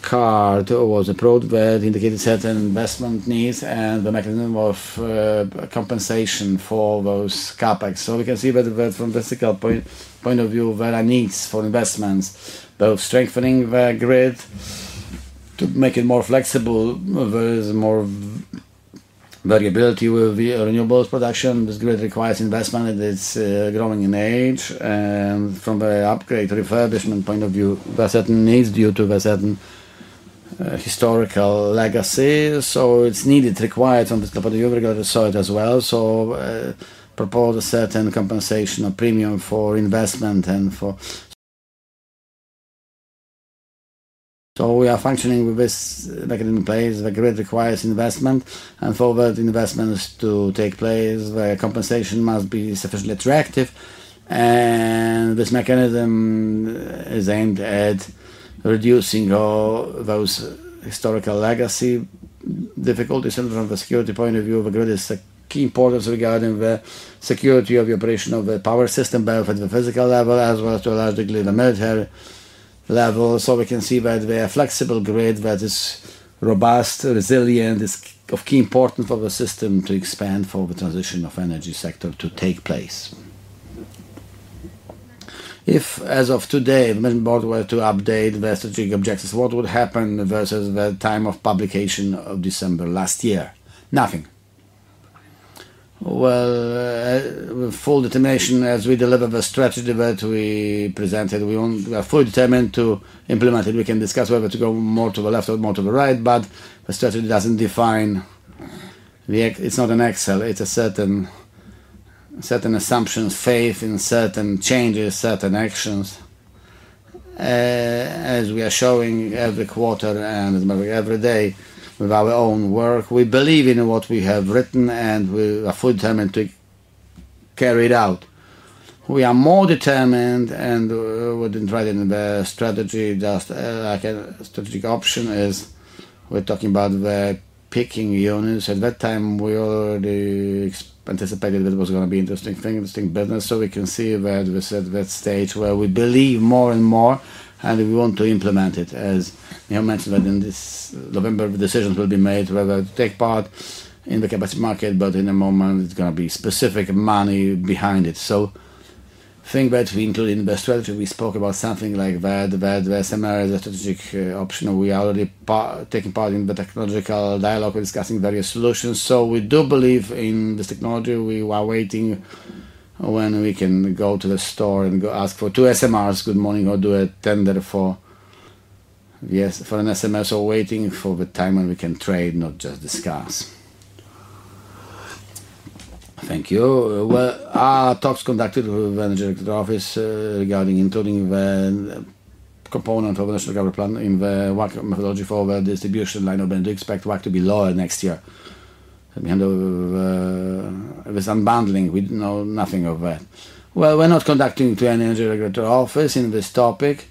card towards a product that indicated certain investment needs and the mechanism of compensation for those CapEx. We can see that from a statistical point of view, there are needs for investments, both strengthening the grid to make it more flexible. There is more variability with renewables production. This grid requires investment. It is growing in age, and from the upgrade refurbishment point of view, there are certain needs due to certain historical legacies. It's needed, required from the scope of the regulatory side as well. Propose a certain compensation or premium for investment. We are functioning with this mechanism in place. The grid requires investment, and for that investment to take place, the compensation must be sufficiently attractive. This mechanism is aimed at reducing all those historical legacy difficulties. From the security point of view, the grid is of key importance regarding the security of the operation of the power system, both at the physical level as well as to a large degree the military level. We can see that we are a flexible grid that is robust, resilient. It's of key importance for the system to expand for the transition of the energy sector to take place. If as of today, the main board were to update the strategic objectives, what would happen versus the time of publication of December last year? Nothing. Full determination as we deliver the strategy that we presented. We are fully determined to implement it. We can discuss whether to go more to the left or more to the right, but the strategy doesn't define, it's not an Excel. It's a certain assumption, faith in certain changes, certain actions. As we are showing every quarter and as every day with our own work, we believe in what we have written and we are fully determined to carry it out. We are more determined and we're trying the strategy. Just like a strategic option is we're talking about the picking units. At that time, we already anticipated that it was going to be an interesting thing, interesting business. We can see that we're at that stage where we believe more and more and we want to implement it. As you mentioned, in this November, decisions will be made whether to take part in the capacity market, but in a moment, it's going to be specific money behind it. I think that we need to invest strategy. We spoke about something like that, that there are similar strategic options. We are already taking part in the technological dialogue. We're discussing various solutions. We do believe in this technology. We are waiting when we can go to the store and go ask for two SMRs, good morning, or do a tender for, yes, for an SMR. Waiting for the time when we can trade, not just discuss. Thank you. Our talks conducted with the manager of the office regarding including the component of the National Recovery Plan in the WACC methodology for the distribution line of energy. We expect WACC to be lower next year. We handle this unbundling. We didn't know nothing of that. We're not conducting to an energy regulatory office in this topic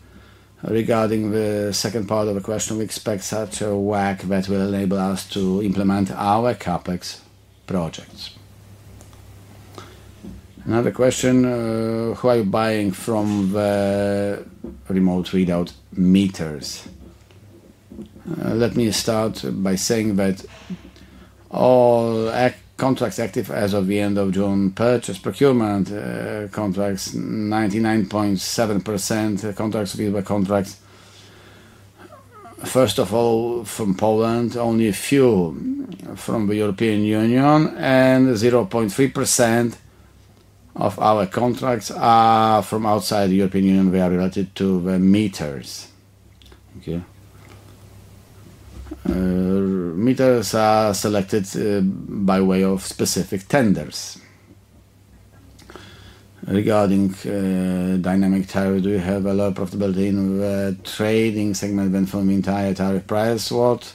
regarding the second part of the question. We expect such a WACC that will enable us to implement our CapEx projects. Another question, who are you buying from the remote readout meters? Let me start by saying that all contracts active as of the end of June, purchase procurement contracts, 99.7% contracts with the contracts. First of all, from Poland, only a few from the European Union, and 0.3% of our contracts are from outside the European Union. They are related to the meters. Meters are selected by way of specific tenders. Regarding dynamic tariff, do we have a lower profitability in the trading segment than from the entire tariff price? What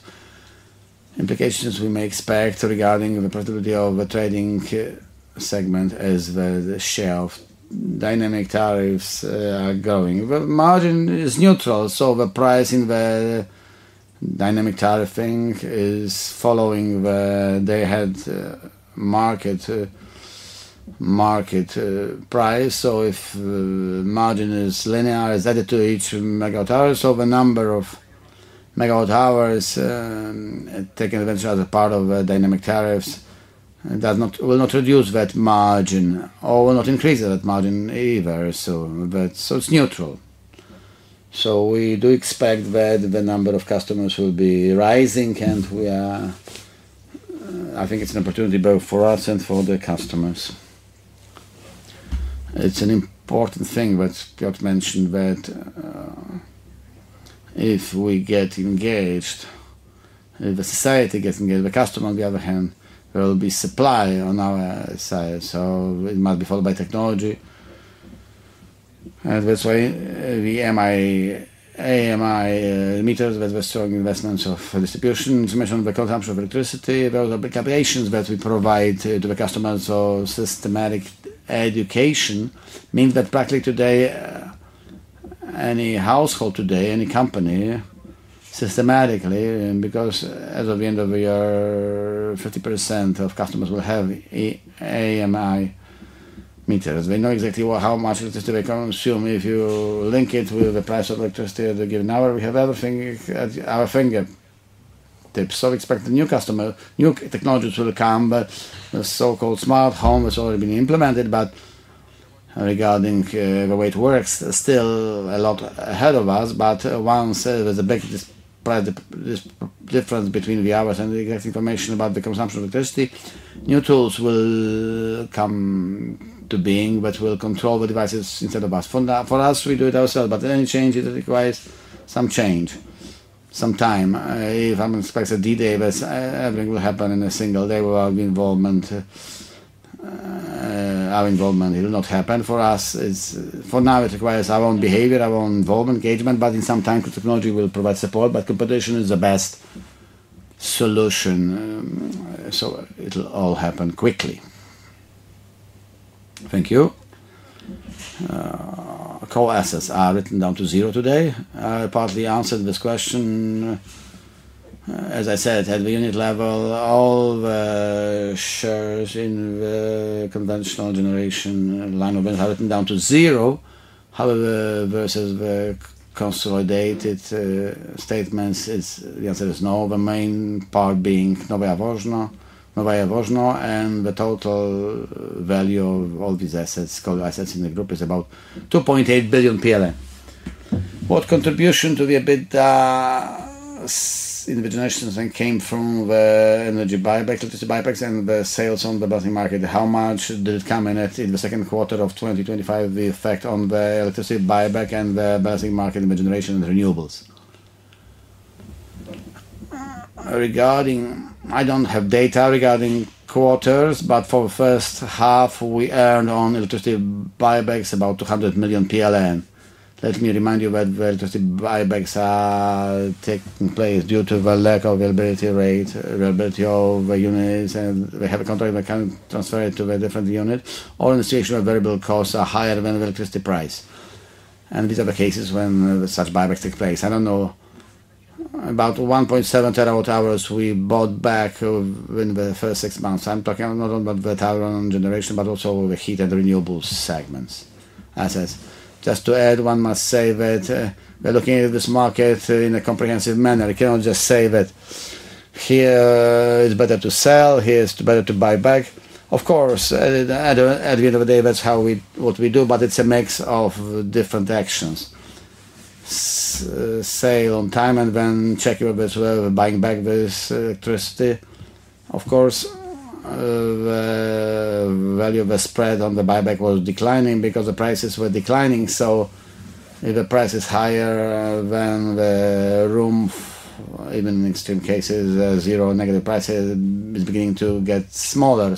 implications we may expect regarding the profitability of the trading segment as the share of dynamic tariffs are growing? The margin is neutral, so the price in the dynamic tariff thing is following the day ahead market price. If the margin is linear, is added to each megawatt hour, so the number of megawatt hours taken advantage as a part of the dynamic tariffs does not, will not reduce that margin or will not increase that margin either. It's neutral. We do expect that the number of customers will be rising and we are, I think it's an opportunity both for us and for the customers. It's an important thing that Scott mentioned that if we get engaged, if the society gets engaged, the customer on the other hand, there will be supply on our side. It must be followed by technology. That's why the AMI meters that were strong investments of distribution, information on the consumption of electricity, those are big operations that we provide to the customers. Systematic education means that practically today, any household today, any company, systematically, and because as of the end of the year, 50% of customers will have AMI meters. They know exactly how much electricity they consume. If you link it with the price of electricity at a given hour, we have everything at our fingertips. We expect the new customer, new technologies will come, but the so-called smart home has already been implemented. Regarding the way it works, still a lot ahead of us. One says that the biggest difference between the hours and the exact information about the consumption of electricity, new tools will come to being that will control the devices instead of us. For us, we do it ourselves, but any change requires some change, some time. If I'm inspected D-Day, everything will happen in a single day. Our involvement will not happen for us. For now, it requires our own behavior, our own involvement, engagement, but in some time, technology will provide support. Competition is the best solution. It'll all happen quickly. Thank you. Coal assets are written down to zero today. Part of the answer to this question, as I said, at the unit level, all the shares in the conventional generation line of business are written down to zero. However, versus the consolidated statements, the answer is no. The main part being TAURON, and the total value of all these assets, coal assets in the group, is about 2.8 billion. What contribution to the bid in the generation came from the energy buyback, electricity buybacks, and the sales on the balancing market? How much did it come in at in the second quarter of 2025? The effect on the electricity buyback and the balancing market in the generation and renewables. Regarding, I don't have data regarding quarters, but for the first half, we earned on electricity buybacks about 200 million PLN. Let me remind you that the electricity buybacks are taking place due to the lack of availability rate, availability of units, and we have a contract that can transfer it to a different unit. All institutional variable costs are higher than the electricity price. These are the cases when such buybacks take place. I don't know about 1.7 terawatt hours we bought back in the first six months. I'm talking not only about the TAURON generation, but also the heat and renewables segments. Assets. Just to add, one must save it. We're looking at this market in a comprehensive manner. You cannot just save it. Here it's better to sell, here it's better to buy back. Of course, at the end of the day, that's what we do, but it's a mix of different actions. Sale on time and then check if we're buying back this electricity. Of course, the value of the spread on the buyback was declining because the prices were declining. If the price is higher, then the room, even in extreme cases, the zero negative price is beginning to get smaller.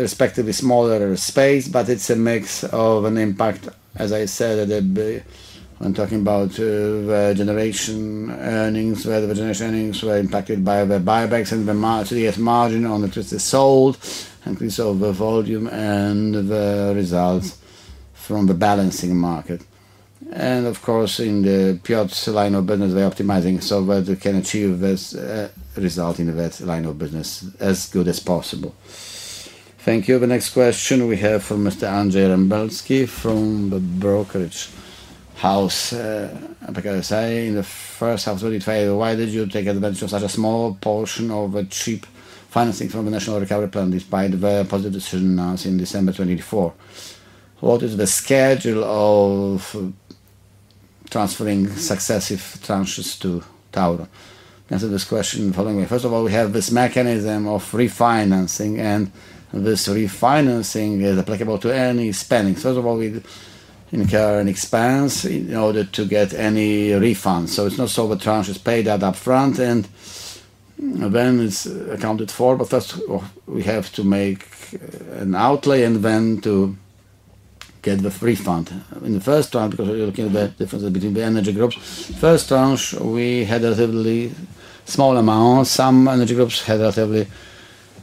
Respectively smaller space, but it's a mix of an impact. As I said, I'm talking about the generation earnings, whether the generation earnings were impacted by the buybacks and the EF margin on electricity sold, increase of the volume and the results from the balancing market. Of course, in the PIOTS line of business, we're optimizing so that we can achieve this result in that line of business as good as possible. Thank you. The next question we have from Mr. Andrzej Rembelski from the brokerage house. I'm going to say in the first half of 2024, why did you take advantage of such a small portion of a cheap financing from the National Recovery Plan despite the positive decision announced in December 2024? What is the schedule of transferring successive tranches to TAURON? Answer this question in the following way. First of all, we have this mechanism of refinancing, and this refinancing is applicable to any spending. First of all, we incur an expense in order to get any refund. It's not so the tranches paid out upfront and then it's accounted for, but first we have to make an outlay and then to get the refund. In the first tranche, because we're looking at the differences between the energy groups, the first tranche we had relatively small amounts. Some energy groups had relatively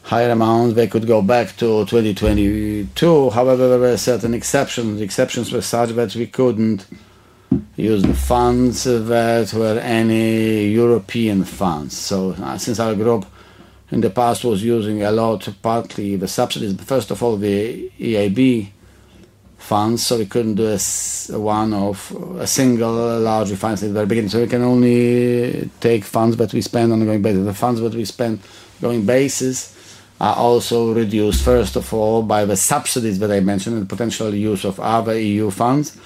higher amounts. They could go back to 2022. However, there were certain exceptions. The exceptions were such that we couldn't use the funds that were any European funds. Since our group in the past was using a lot, partly the subsidies, but first of all, the EAB funds, we couldn't do a one-off, a single large refinance at the very beginning. We can only take funds that we spend on a going basis. The funds that we spend on a going basis are also reduced, first of all, by the subsidies that I mentioned and the potential use of other EU funds.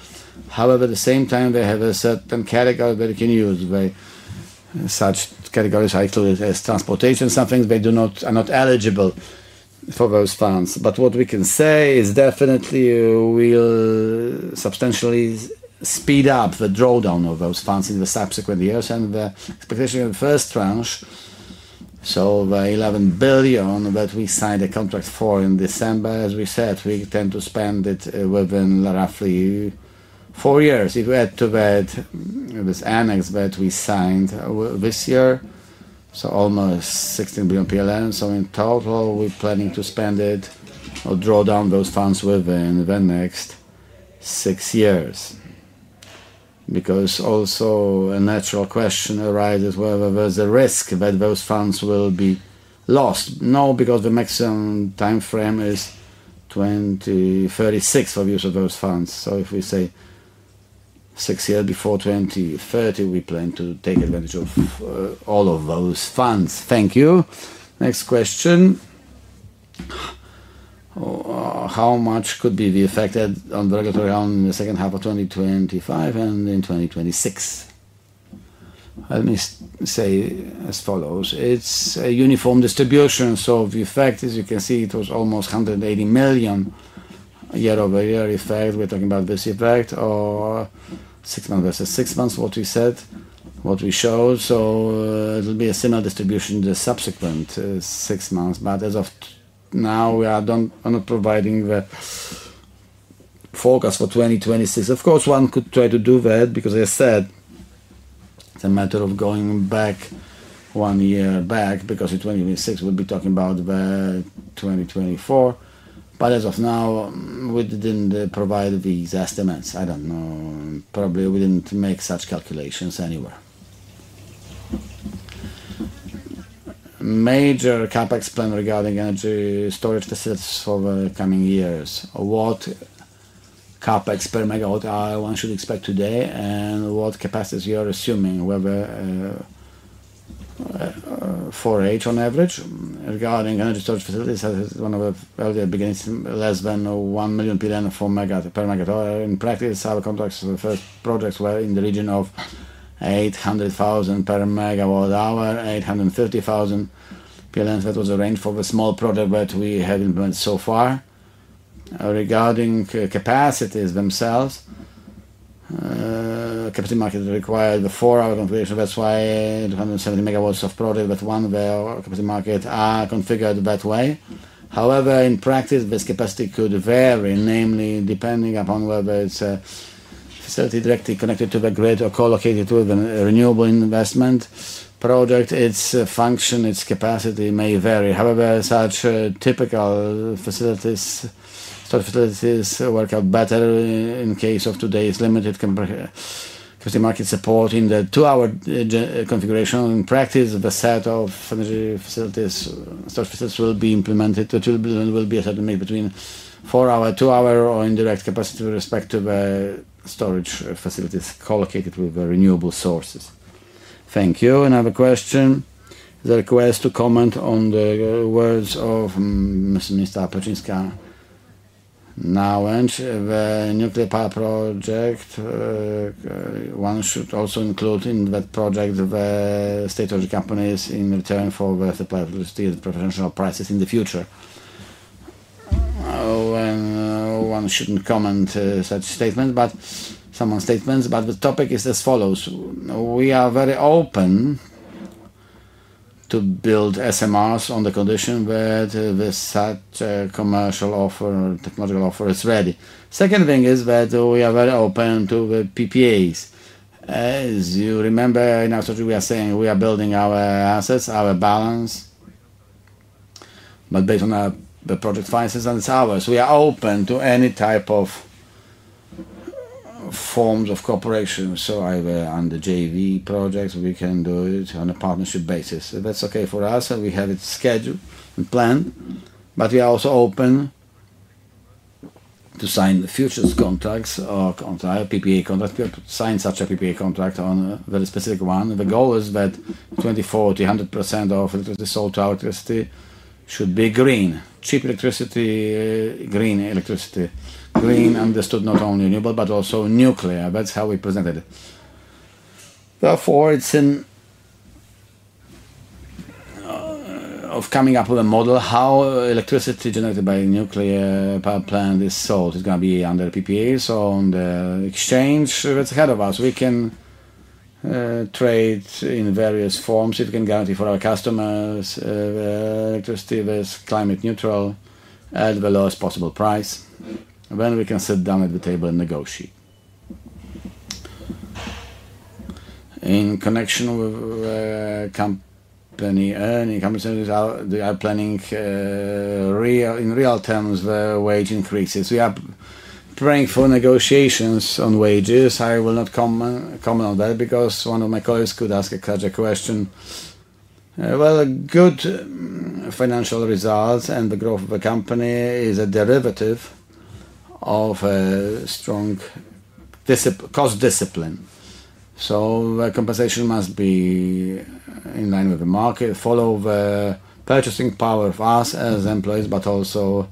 However, at the same time, they have a certain category that you can use. Such categories are like transportation and some things that are not eligible for those funds. What we can say is definitely we'll substantially speed up the drawdown of those funds in the subsequent years and the expectation in the first tranche. The 11 billion PLN that we signed a contract for in December, as we said, we intend to spend it within roughly four years. If we had to vet, this annex that we signed this year, almost 16 billion PLN. In total, we're planning to spend it or draw down those funds within the next six years. A natural question arises, whether there's a risk that those funds will be lost. No, because the maximum timeframe is 2036 of use of those funds. If we say six years before 2030, we plan to take advantage of all of those funds. Thank you. Next question. How much could be the effect on the regulatory realm in the second half of 2025 and in 2026? Let me say as follows. It's a uniform distribution. The effect, as you can see, it was almost 180 million PLN year-over-year effect. We're talking about this effect or six months versus six months, what we said, what we showed. It'll be a similar distribution in the subsequent six months. As of now, we are not providing the forecast for 2026. Of course, one could try to do that because, as I said, it's a matter of going back one year back because in 2026, we'll be talking about 2024. As of now, we didn't provide these estimates. I don't know. Probably we didn't make such calculations anywhere. Major CapEx plan regarding energy storage facilities for the coming years. What CapEx per megawatt one should expect today and what capacities you are assuming? Whether for eight on average regarding energy storage facilities. That is one of the earlier beginnings, less than 1 million PLN per megawatt hour. In practice, our contracts for the first projects were in the region of 800,000 PLN per megawatt hour, 850,000 PLN. That was the range for the small project that we have implemented so far. Regarding capacities themselves, the capacity market required the four-hour configuration. That's why 270 megawatts of product that one of the capacity markets are configured that way. However, in practice, this capacity could vary, namely depending upon whether it's a facility directly connected to the grid or co-located with a renewable investment project. Its function, its capacity may vary. However, such typical facilities, storage facilities, work out better in case of today's limited capacity market support in the two-hour configuration. In practice, the set of energy facilities, storage facilities, will be implemented. The 2 billion will be a certain mix between four-hour, two-hour, or indirect capacity with respect to the storage facilities co-located with the renewable sources. Thank you. Another question. Is there a question to comment on the words of Mr. Apachinska? Now, the nuclear power project, one should also include in that project the state of the companies in return for the supply of steel professional prices in the future. One shouldn't comment such statements, but someone's statements. The topic is as follows. We are very open to build SMRs on the condition that such a commercial offer, technological offer, is ready. The second thing is that we are very open to the PPAs. As you remember, in our strategy, we are saying we are building our assets, our balance, but based on the project finances and salaries, we are open to any type of forms of cooperation. Either on the JV project, we can do it on a partnership basis. That's okay for us, and we have it scheduled and planned. We are also open to sign the futures contracts or entire PPA contracts. We could sign such a PPA contract on a very specific one. The goal is that 20-40-100% of electricity sold to our electricity should be green, cheap electricity, green electricity. Green understood not only renewable, but also nuclear. That's how we presented it. Therefore, it's of coming up with a model how electricity generated by a nuclear power plant is sold. It's going to be under PPAs or on the exchange that's ahead of us. We can trade in various forms if we can guarantee for our customers the electricity that's climate neutral at the lowest possible price. We can sit down at the table and negotiate. In connection with the company earnings, how they are planning in real terms the wage increases. We are praying for negotiations on wages. I will not comment on that because one of my colleagues could ask such a question. A good financial result and the growth of the company is a derivative of a strong cost discipline. The compensation must be in line with the market, follow the purchasing power of us as employees, but also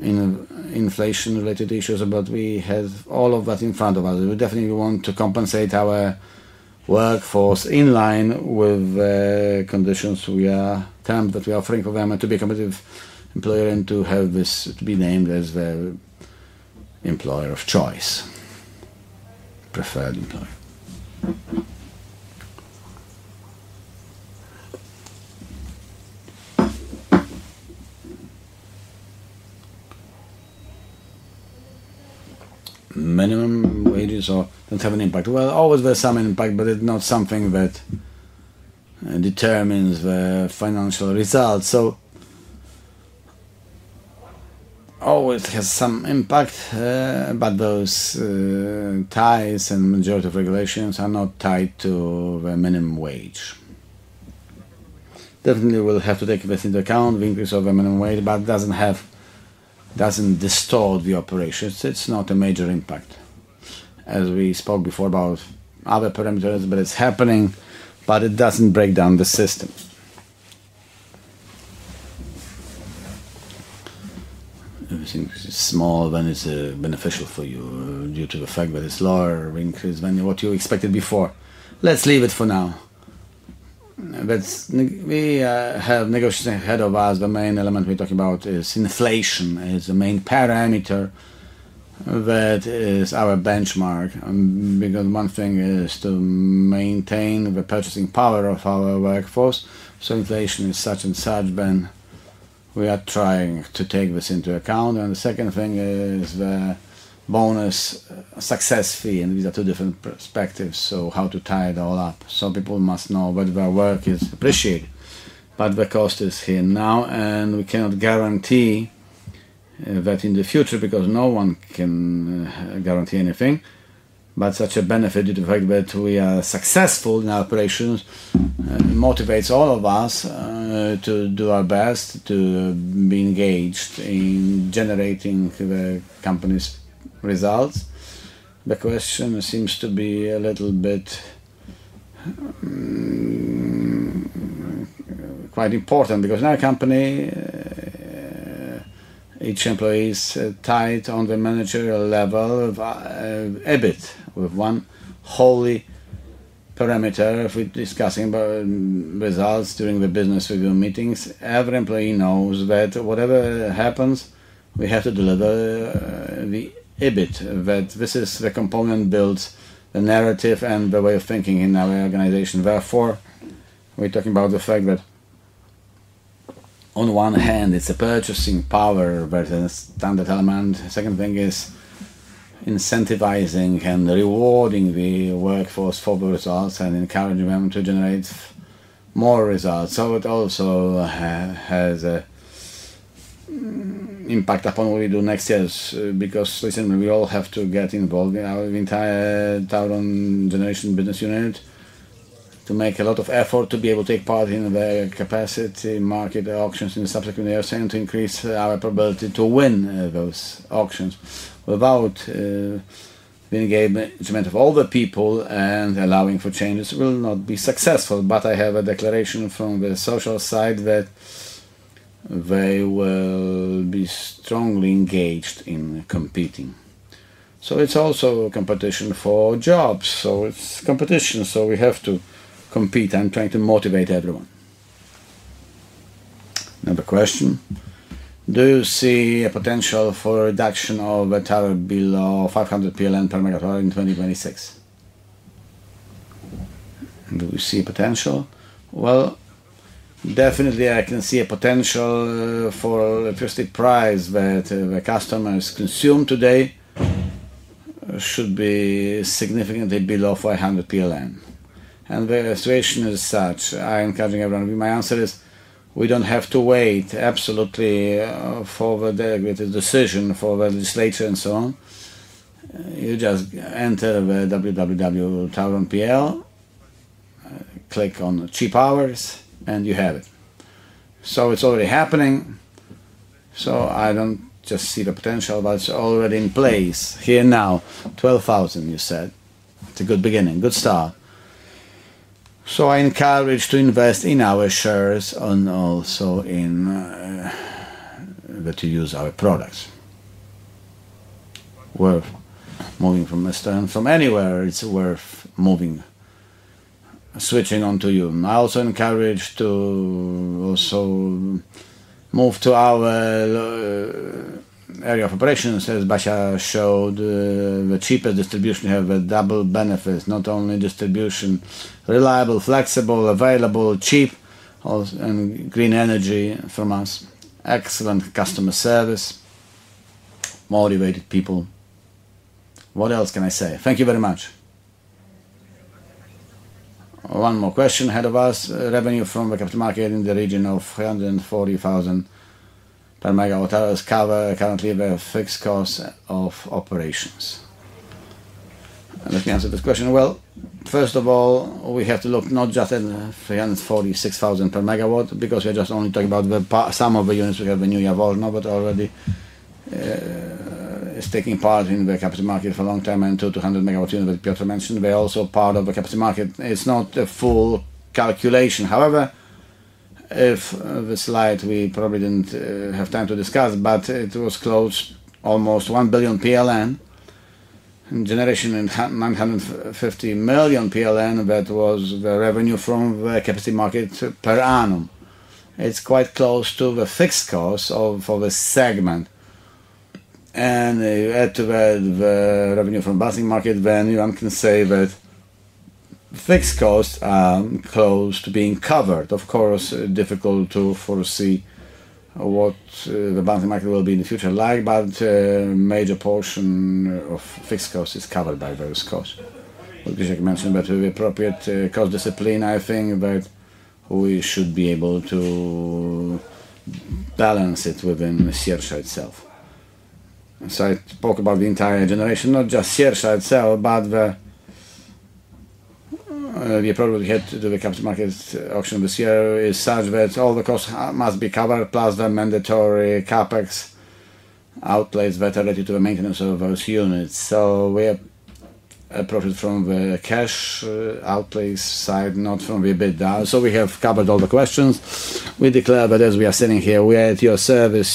in inflation-related issues. We have all of that in front of us. We definitely want to compensate our workforce in line with the conditions we are terms that we are offering for them to be a competitive employer and to have this to be named as the employer of choice, preferred employer. Minimum wages don't have an impact. There is always some impact, but it's not something that determines the financial results. There is always some impact, but those ties and majority of regulations are not tied to the minimum wage. We will have to take this into account, the increase of the minimum wage, but it doesn't distort the operations. It's not a major impact. As we spoke before about other parameters, it's happening, but it doesn't break down the system. If you think this is small, then it's beneficial for you due to the fact that it's lower, increased than what you expected before. Let's leave it for now. We have negotiations ahead of us. The main element we're talking about is inflation is the main parameter that is our benchmark. Because one thing is to maintain the purchasing power of our workforce. Inflation is such and such, then we are trying to take this into account. The second thing is the bonus success fee, and these are two different perspectives. How to tie it all up? People must know that their work is appreciated. The cost is here now, and we cannot guarantee that in the future, because no one can guarantee anything. Such a benefit due to the fact that we are successful in our operations motivates all of us to do our best to be engaged in generating the company's results. The question seems to be quite important because in our company, each employee is tied on the managerial level a bit. We have one holy parameter. If we're discussing about results during the business review meetings, every employee knows that whatever happens, we have to deliver the EBIT. This is the component that builds the narrative and the way of thinking in our organization. Therefore, we're talking about the fact that on one hand, it's a purchasing power versus a standard element. The second thing is incentivizing and rewarding the workforce for the results and encouraging them to generate more results. It also has an impact upon what we do next year because, listen, we all have to get involved in our entire TAURON generation business unit to make a lot of effort to be able to take part in the capacity market auctions in the subsequent years and to increase our probability to win those auctions. Without the engagement of all the people and allowing for changes, it will not be successful. I have a declaration from the social side that they will be strongly engaged in competing. It is also a competition for jobs. It is competition. We have to compete. I'm trying to motivate everyone. Another question. Do you see a potential for a reduction of the TAURON bill of 500 PLN per megawatt hour in 2026? Do we see a potential? I can see a potential for the fixed price that the customers consume today should be significantly below 400. The situation is such. I encourage everyone to be. My answer is we don't have to wait absolutely for the delegated decision for the legislature and so on. You just enter the www.tauron.pl, click on Cheap Hours, and you have it. It is already happening. I don't just see the potential, but it's already in place here and now. 12,000, you said. It's a good beginning, good start. I encourage to invest in our shares and also in that you use our products. Worth moving from Eastern, from anywhere, it's worth moving. Switching on to you. I also encourage to also move to our area of operations, as Basha showed, the cheapest distribution. You have the double benefits, not only distribution, reliable, flexible, available, cheap, and green energy from us. Excellent customer service, motivated people. What else can I say? Thank you very much. One more question ahead of us. Revenue from the capacity market in the region of 340,000 per megawatt hours cover currently the fixed cost of operations. Let me answer this question. First of all, we have to look not just at 346,000 per megawatt because we are just only talking about the sum of the units we have in the new year volume, but already it's taking part in the capacity market for a long time and 200 megawatt units that Piotr mentioned. They're also part of the capacity market. It's not a full calculation. If the slide, we probably didn't have time to discuss, but it was closed almost 1 billion PLN in generation and 950 million PLN that was the revenue from the capacity market per annum. It's quite close to the fixed cost of the segment. You add to that the revenue from the balancing market, then you can say that the fixed costs are close to being covered. Of course, it's difficult to foresee what the balancing market will be like in the future, but a major portion of fixed costs is covered by various costs. I mentioned that with the appropriate cost discipline, I think that we should be able to balance it within the Sierre Shell itself. I talk about the entire generation, not just Sierre Shell itself, but the approach we had to do the capital market auction this year is such that all the costs must be covered, plus the mandatory CapEx outlays that are related to the maintenance of those units. We approach it from the cash outlays side, not from the EBITDA. We have covered all the questions. We declare that as we are sitting here, we are at your service,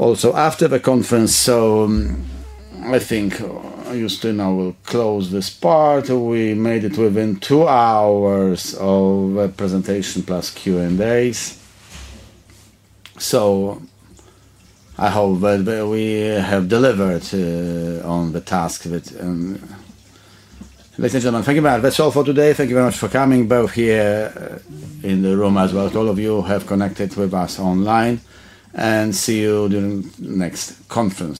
also after the conference. I think I will now close this part. We made it within two hours of the presentation plus Q&As. I hope that we have delivered on the task. Ladies and gentlemen, thank you very much. That's all for today. Thank you very much for coming, both here in the room as well as all of you who have connected with us online. See you during the next conference.